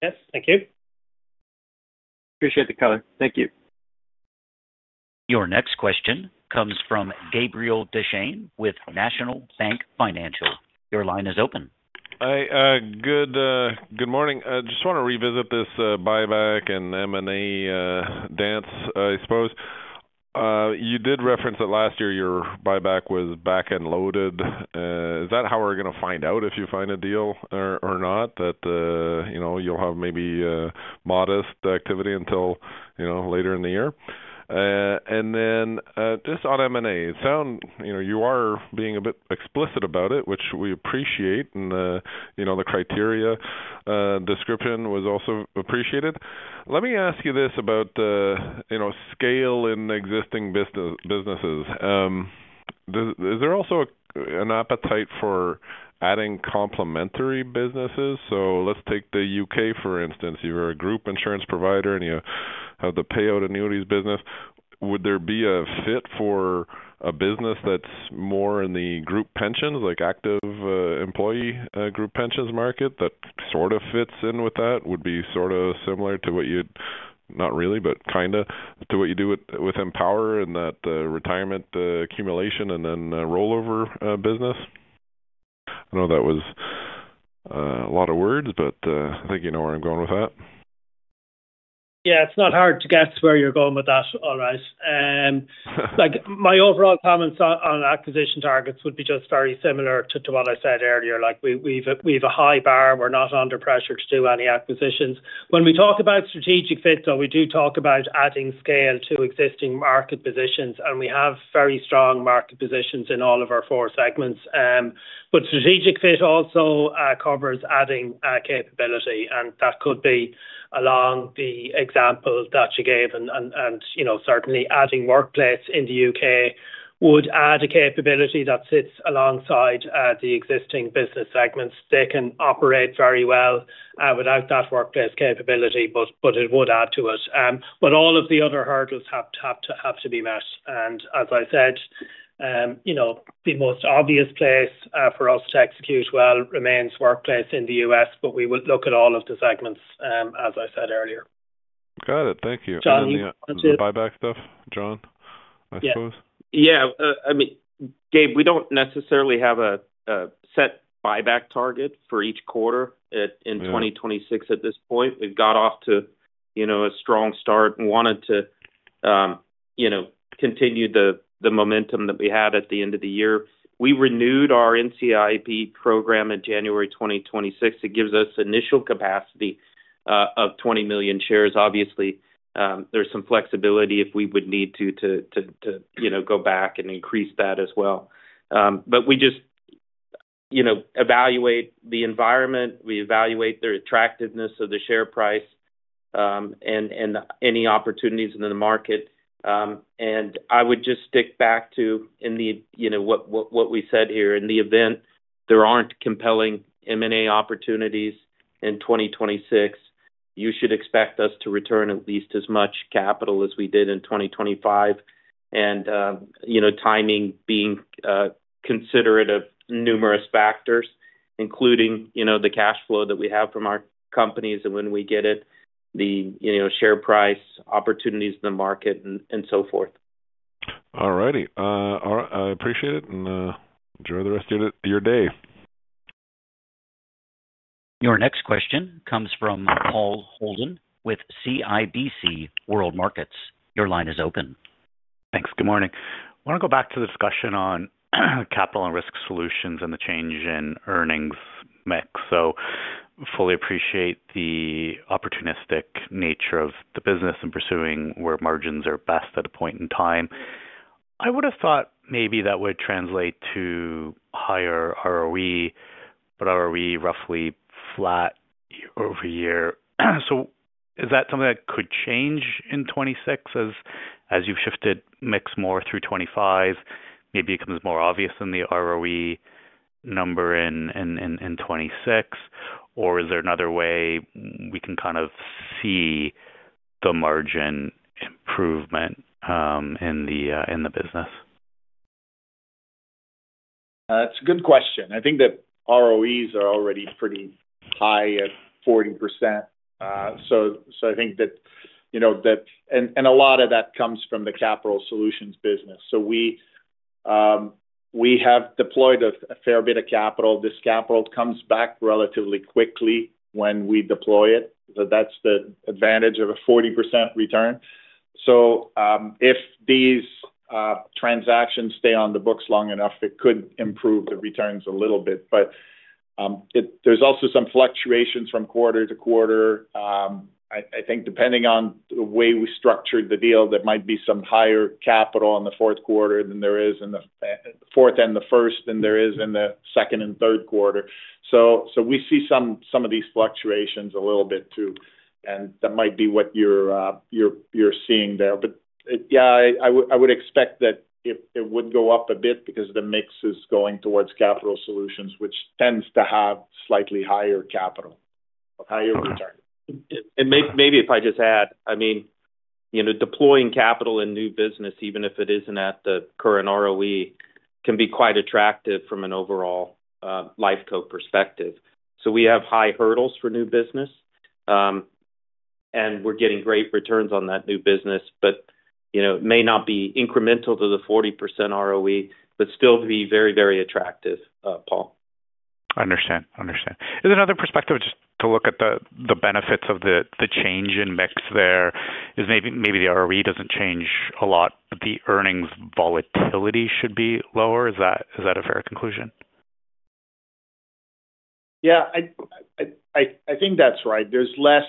Yes. Thank you. Appreciate the color. Thank you. Your next question comes from Gabriel Dechaine with National Bank Financial. Your line is open. Hi, good morning. I just want to revisit this buyback and M&A dance, I suppose. You did reference that last year your buyback was back-end loaded. Is that how we're going to find out if you find a deal or not? You know, you'll have maybe a modest activity until, you know, later in the year. And then, just on M&A, it sound... You know, you are being a bit explicit about it, which we appreciate, and, you know, the criteria description was also appreciated. Let me ask you this about the, you know, scale in the existing busine- businesses. Does-- is there also an appetite for adding complementary businesses? So let's take the UK, for instance. You're a group insurance provider, and you have the payout annuities business. Would there be a fit for a business that's more in the group pensions, like active, employee, group pensions market, that sort of fits in with that, would be sort of similar to what you'd, not really, but kind of to what you do with, with Empower and that, retirement, accumulation and then, rollover, business? I know that was, a lot of words, but, I think you know where I'm going with that. Yeah, it's not hard to guess where you're going with that, all right. Like, my overall comments on acquisition targets would be just very similar to what I said earlier. Like, we've a high bar. We're not under pressure to do any acquisitions. When we talk about strategic fit, though, we do talk about adding scale to existing market positions, and we have very strong market positions in all of our four segments. But strategic fit also covers adding capability, and that could be along the example that you gave. And, you know, certainly adding Workplace in the UK would add a capability that sits alongside the existing business segments. They can operate very well without that Workplace capability, but it would add to it. But all of the other hurdles have to, have to, have to be met. And as I said, you know, the most obvious place for us to execute well remains Workplace in the U.S., but we would look at all of the segments, as I said earlier. Got it. Thank you. Jon- The buyback stuff, Jon, I suppose? Yeah. I mean, Gabe, we don't necessarily have a set buyback target for each quarter at- Yeah. - in 2026 at this point. We've got off to, you know, a strong start and wanted to, you know, continue the momentum that we had at the end of the year. We renewed our NCIB program in January 2026. It gives us initial capacity of 20 million shares. Obviously, there's some flexibility if we would need to go back and increase that as well. But we just, you know, evaluate the environment, we evaluate the attractiveness of the share price, and any opportunities in the market. And I would just stick back to in the, you know, what we said here. In the event there aren't compelling M&A opportunities in 2026, you should expect us to return at least as much capital as we did in 2025. You know, timing being considerate of numerous factors, including, you know, the cash flow that we have from our companies and when we get it, the, you know, share price, opportunities in the market and so forth. All righty. All right, I appreciate it, and enjoy the rest of your, your day. Your next question comes from Paul Holden with CIBC World Markets. Your line is open. Thanks. Good morning. I want to go back to the discussion on Capital and Risk Solutions and the change in earnings mix. So fully appreciate the opportunistic nature of the business and pursuing where margins are best at a point in time. I would have thought maybe that would translate to higher ROE, but ROE roughly flat year-over-year. So is that something that could change in 2026 as you've shifted mix more through 2025, maybe it becomes more obvious than the ROE number in 2026? Or is there another way we can kind of see the margin improvement in the business?... It's a good question. I think that ROEs are already pretty high at 40%. So, so I think that, you know, that-- and, and a lot of that comes from the capital solutions business. So we, we have deployed a, a fair bit of capital. This capital comes back relatively quickly when we deploy it. So that's the advantage of a 40% return. So, if these, transactions stay on the books long enough, it could improve the returns a little bit. But, it-- there's also some fluctuations from quarter to quarter. I, I think depending on the way we structured the deal, there might be some higher capital in the fourth quarter than there is in the, fourth and the first, than there is in the second and third quarter. So we see some of these fluctuations a little bit too, and that might be what you're seeing there. But, yeah, I would expect that it would go up a bit because the mix is going towards capital solutions, which tends to have slightly higher capital, higher return. Maybe if I just add, I mean, you know, deploying capital in new business, even if it isn't at the current ROE, can be quite attractive from an overall, Lifeco perspective. So we have high hurdles for new business, and we're getting great returns on that new business. But, you know, it may not be incremental to the 40% ROE, but still be very, very attractive, Paul. Is another perspective, just to look at the benefits of the change in mix there is maybe the ROE doesn't change a lot, but the earnings volatility should be lower. Is that a fair conclusion? Yeah, I think that's right. There's less.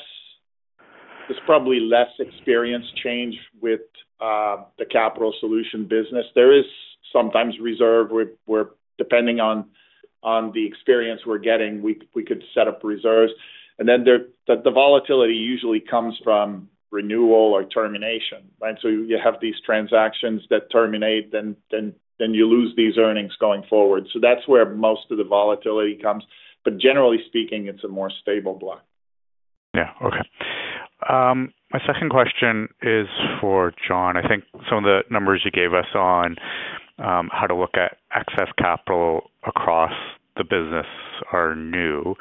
There's probably less experience change with the capital solution business. There is sometimes reserve, where depending on the experience we're getting, we could set up reserves. And then there, the volatility usually comes from renewal or termination, right? So you have these transactions that terminate, then you lose these earnings going forward. So that's where most of the volatility comes. But generally speaking, it's a more stable block. Yeah. Okay. My second question is for Jon. I think some of the numbers you gave us on, how to look at excess capital across the business are new.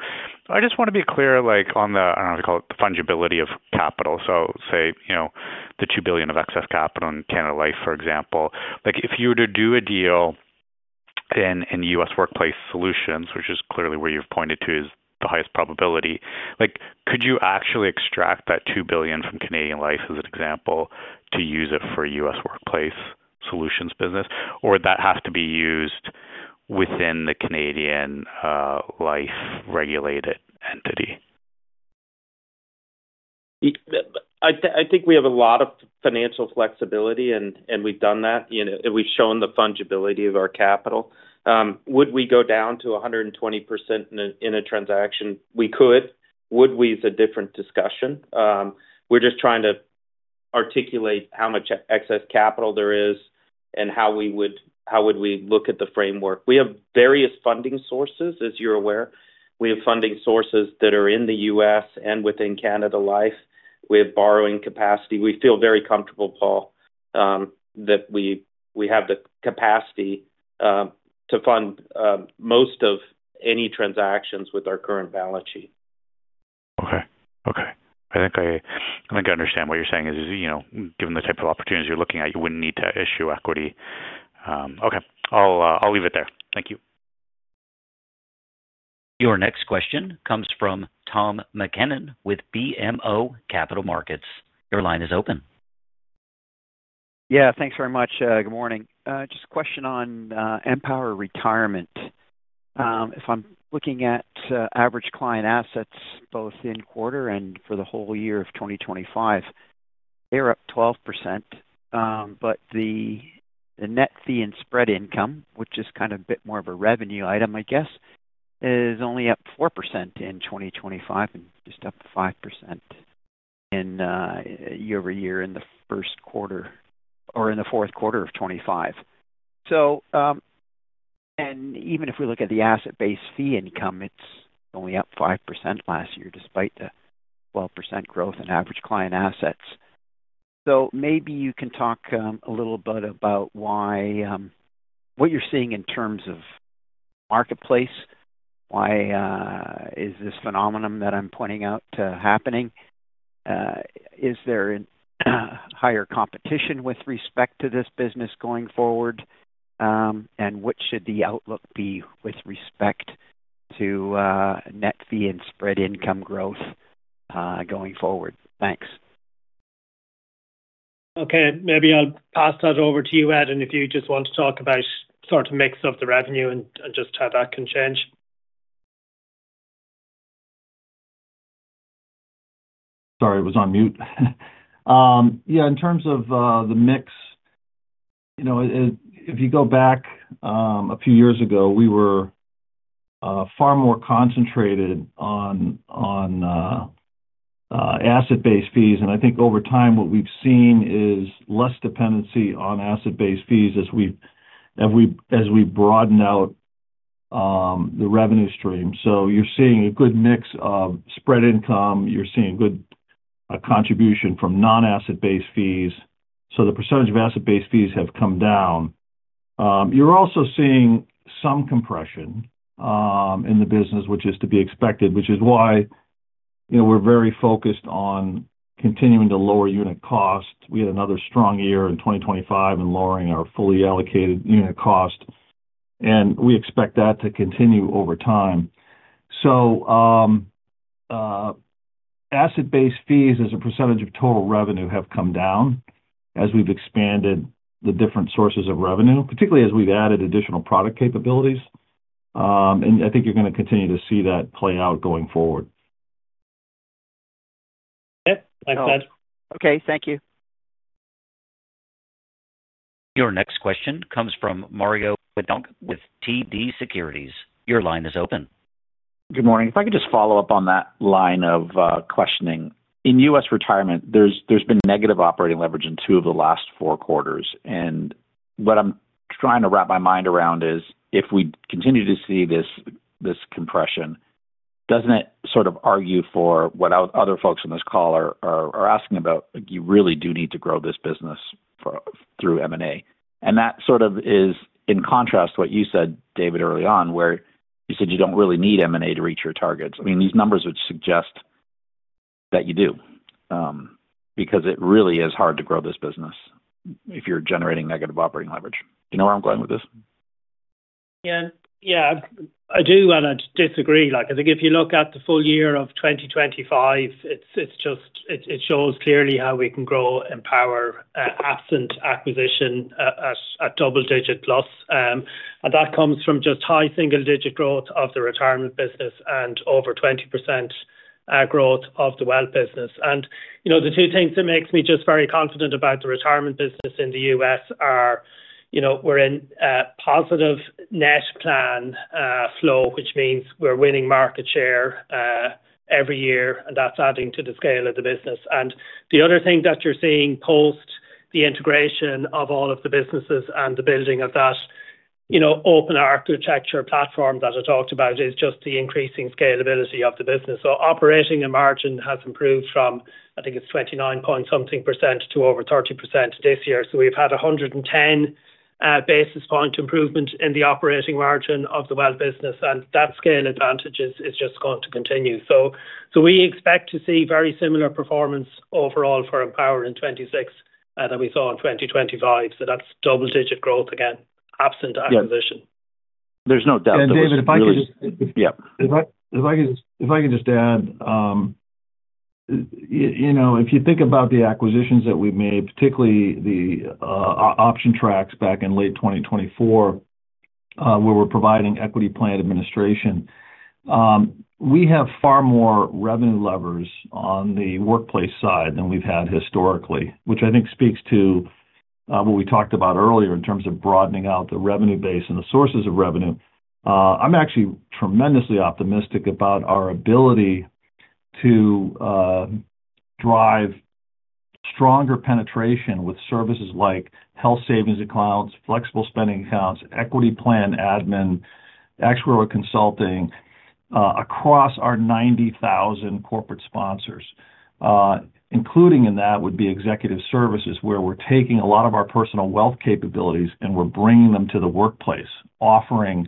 I just want to be clear, like on the, I don't know what to call it, the fungibility of capital. So say, you know, the 2 billion of excess capital in Canada Life, for example. Like, if you were to do a deal in, in the U.S. workplace solutions, which is clearly where you've pointed to is the highest probability, like, could you actually extract that 2 billion from Canada Life, as an example, to use it for U.S. Workplace Solutions business? Or would that have to be used within the Canadian, Life regulated entity? I think we have a lot of financial flexibility, and we've done that. You know, and we've shown the fungibility of our capital. Would we go down to 120% in a transaction? We could. Would we? Is a different discussion. We're just trying to articulate how much excess capital there is and how we would look at the framework. We have various funding sources, as you're aware. We have funding sources that are in the U.S. and within Canada Life. We have borrowing capacity. We feel very comfortable, Paul, that we have the capacity to fund most of any transactions with our current balance sheet. Okay. Okay, I think I understand what you're saying is, you know, given the type of opportunities you're looking at, you wouldn't need to issue equity. Okay. I'll leave it there. Thank you. Your next question comes from Tom MacKinnon with BMO Capital Markets. Your line is open. Yeah, thanks very much. Good morning. Just a question on Empower Retirement. If I'm looking at average client assets, both in quarter and for the whole year of 2025, they're up 12%, but the net fee and spread income, which is kind of a bit more of a revenue item, I guess, is only up 4% in 2025 and just up 5% year-over-year in the first quarter or in the fourth quarter of 2025. Even if we look at the asset base fee income, it's only up 5% last year, despite the 12% growth in average client assets. So maybe you can talk a little bit about why, what you're seeing in terms of marketplace. Why is this phenomenon that I'm pointing out happening? Is there a higher competition with respect to this business going forward? And what should the outlook be with respect to net fee and spread income growth going forward? Thanks. Okay. Maybe I'll pass that over to you, Ed, and if you just want to talk about sort of mix of the revenue and just how that can change. Sorry, I was on mute. Yeah, in terms of the mix, you know, if you go back a few years ago, we were far more concentrated on asset-based fees. And I think over time, what we've seen is less dependency on asset-based fees as we broaden out the revenue stream. So you're seeing a good mix of spread income, you're seeing a contribution from non-asset-based fees, so the percentage of asset-based fees have come down. You're also seeing some compression in the business, which is to be expected, which is why, you know, we're very focused on continuing to lower unit cost. We had another strong year in 2025 in lowering our fully allocated unit cost, and we expect that to continue over time. So, asset-based fees as a percentage of total revenue have come down as we've expanded the different sources of revenue, particularly as we've added additional product capabilities. And I think you're going to continue to see that play out going forward. Yeah. Like I said. Okay, thank you. Your next question comes from Mario Mendonca with TD Securities. Your line is open. Good morning. If I could just follow up on that line of questioning. In U.S. retirement, there's been negative operating leverage in two of the last four quarters, and what I'm trying to wrap my mind around is, if we continue to see this compression, doesn't it sort of argue for what other folks on this call are asking about, like, you really do need to grow this business through M&A? And that sort of is in contrast to what you said, David, early on, where you said you don't really need M&A to reach your targets. I mean, these numbers would suggest that you do, because it really is hard to grow this business if you're generating negative operating leverage. Do you know where I'm going with this? Yeah. Yeah, I do, and I disagree. Like, I think if you look at the full year of 2025, it's just, it shows clearly how we can grow Empower, absent acquisition, at double-digit +. And that comes from just high single-digit growth of the retirement business and over 20%, growth of the wealth business. And, you know, the two things that makes me just very confident about the retirement business in the U.S. are, you know, we're in a positive net plan, flow, which means we're winning market share, every year, and that's adding to the scale of the business. And the other thing that you're seeing post the integration of all of the businesses and the building of that, you know, open architecture platform that I talked about, is just the increasing scalability of the business. Operating margin has improved from, I think, 29-point-something% to over 30% this year. We've had 110 basis point improvement in the operating margin of the wealth business, and that scale advantage is just going to continue. We expect to see very similar performance overall for Empower in 2026 than we saw in 2025. That's double-digit growth again, absent acquisition. Yeah. There's no doubt- David, if I could just- Yeah. If I could just add, you know, if you think about the acquisitions that we've made, particularly the OptionTrax back in late 2024, where we're providing equity plan administration, we have far more revenue levers on the workplace side than we've had historically, which I think speaks to what we talked about earlier in terms of broadening out the revenue base and the sources of revenue. I'm actually tremendously optimistic about our ability to drive stronger penetration with services like health savings accounts, flexible spending accounts, equity plan admin, actual consulting, across our 90,000 corporate sponsors. Including in that would be executive services, where we're taking a lot of our personal wealth capabilities, and we're bringing them to the workplace, offering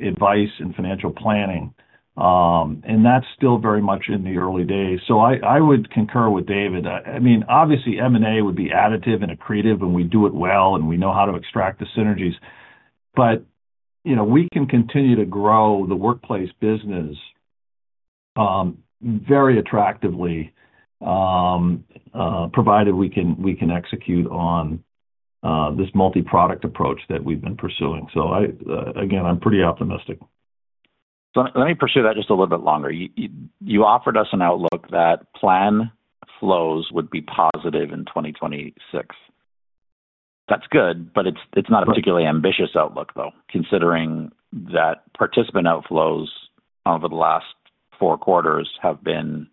advice and financial planning. And that's still very much in the early days. So I would concur with David. I mean, obviously, M&A would be additive and accretive, and we do it well, and we know how to extract the synergies. But you know, we can continue to grow the workplace business very attractively, provided we can execute on this multiproduct approach that we've been pursuing. So again, I'm pretty optimistic. So let me pursue that just a little bit longer. You offered us an outlook that plan flows would be positive in 2026. That's good, but it's not a particularly ambitious outlook, though, considering that participant outflows over the last four quarters have been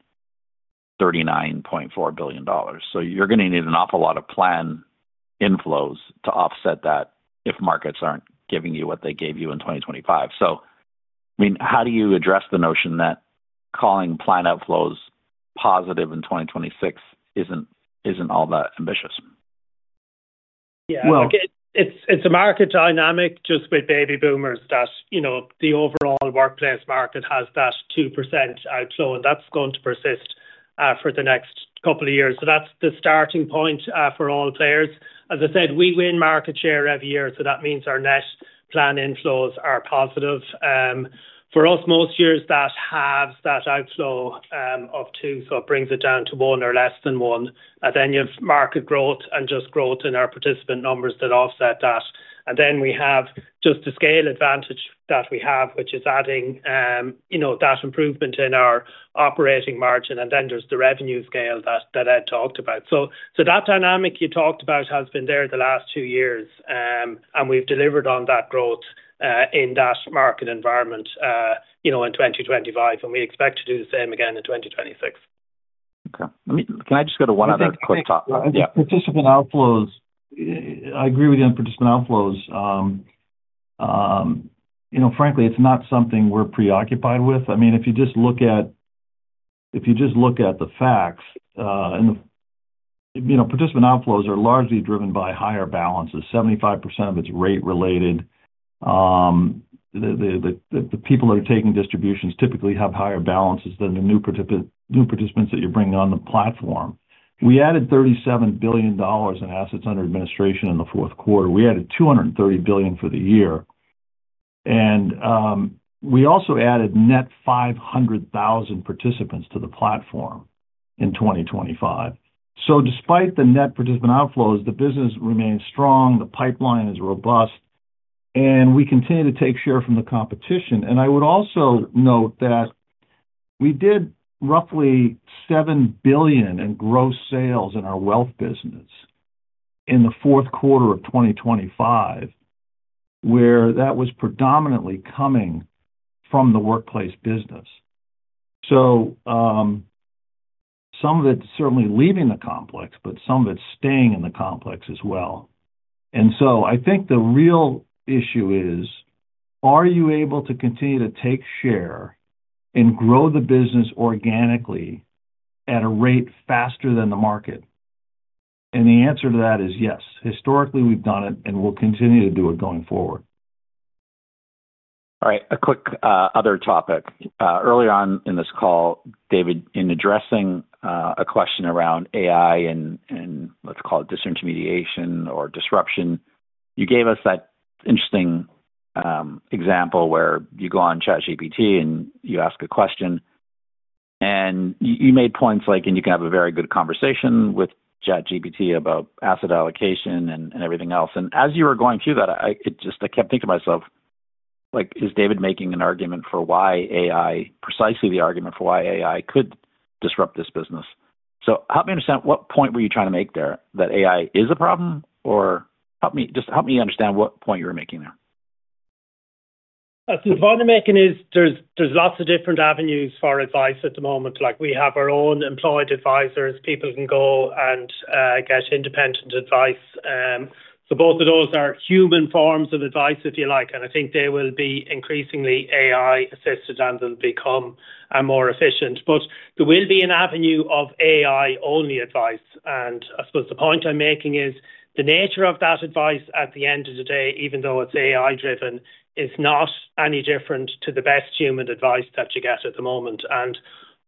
$39.4 billion. So you're going to need an awful lot of plan inflows to offset that if markets aren't giving you what they gave you in 2025. So, I mean, how do you address the notion that calling plan outflows positive in 2026 isn't all that ambitious? Yeah. Well- It's a market dynamic just with baby boomers that, you know, the overall workplace market has that 2% outflow, and that's going to persist for the next couple of years. So that's the starting point for all players. As I said, we win market share every year, so that means our net plan inflows are positive. For us, most years, that halves that outflow of two, so it brings it down to one or less than one. And then you have market growth and just growth in our participant numbers that offset that. And then we have just the scale advantage that we have, which is adding, you know, that improvement in our operating margin, and then there's the revenue scale that I talked about. So, so that dynamic you talked about has been there the last two years, and we've delivered on that growth, in that market environment, you know, in 2025, and we expect to do the same again in 2026. Okay. Can I just go to one other quick topic? Yeah, participant outflows. I agree with you on participant outflows. You know, frankly, it's not something we're preoccupied with. I mean, if you just look at, if you just look at the facts, and, you know, participant outflows are largely driven by higher balances. 75% of it's rate related. The people that are taking distributions typically have higher balances than the new participants that you're bringing on the platform. We added $37 billion in assets under administration in the fourth quarter. We added $230 billion for the year. And, we also added net 500,000 participants to the platform in 2025. So despite the net participant outflows, the business remains strong, the pipeline is robust, and we continue to take share from the competition. And I would also note that we did roughly 7 billion in gross sales in our wealth business in the fourth quarter of 2025, where that was predominantly coming from the workplace business. So, some of it's certainly leaving the complex, but some of it's staying in the complex as well. And so I think the real issue is, are you able to continue to take share and grow the business organically at a rate faster than the market? And the answer to that is yes. Historically, we've done it, and we'll continue to do it going forward. All right, a quick, other topic. Early on in this call, David, in addressing, a question around AI and, and let's call it disintermediation or disruption, you gave us that interesting, example where you go on ChatGPT, and you ask a question, and you made points like, and you can have a very good conversation with ChatGPT about asset allocation and, and everything else. And as you were going through that, I, it just... I kept thinking to myself, like, "Is David making an argument for why AI, precisely the argument for why AI could disrupt this business?" So help me understand, what point were you trying to make there? That AI is a problem, or help me, just help me understand what point you were making there. So the point I'm making is, there's lots of different avenues for advice at the moment, like we have our own employed advisors. People can go and get independent advice. Both of those are human forms of advice, if you like, and I think they will be increasingly AI-assisted and will become more efficient. There will be an avenue of AI-only advice, and I suppose the point I'm making is, the nature of that advice at the end of the day, even though it's AI-driven, is not any different to the best human advice that you get at the moment.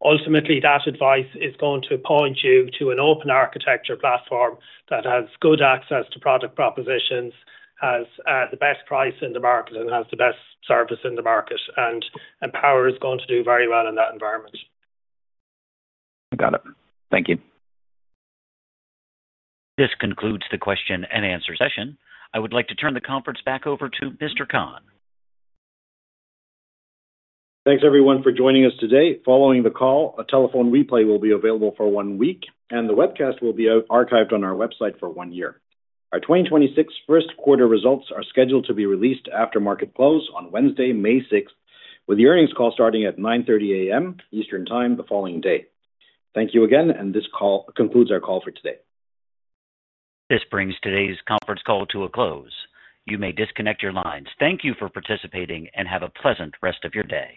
Ultimately, that advice is going to point you to an open architecture platform that has good access to product propositions, has the best price in the market, and has the best service in the market. Power is going to do very well in that environment. I got it. Thank you. This concludes the question-and-answer session. I would like to turn the conference back over to Mr. Khan. Thanks, everyone, for joining us today. Following the call, a telephone replay will be available for one week, and the webcast will be out, archived on our website for one year. Our 2026 first quarter results are scheduled to be released after market close on Wednesday, May 6th, with the earnings call starting at 9:30 A.M. Eastern Time the following day. Thank you again, and this call concludes our call for today. This brings today's conference call to a close. You may disconnect your lines. Thank you for participating, and have a pleasant rest of your day.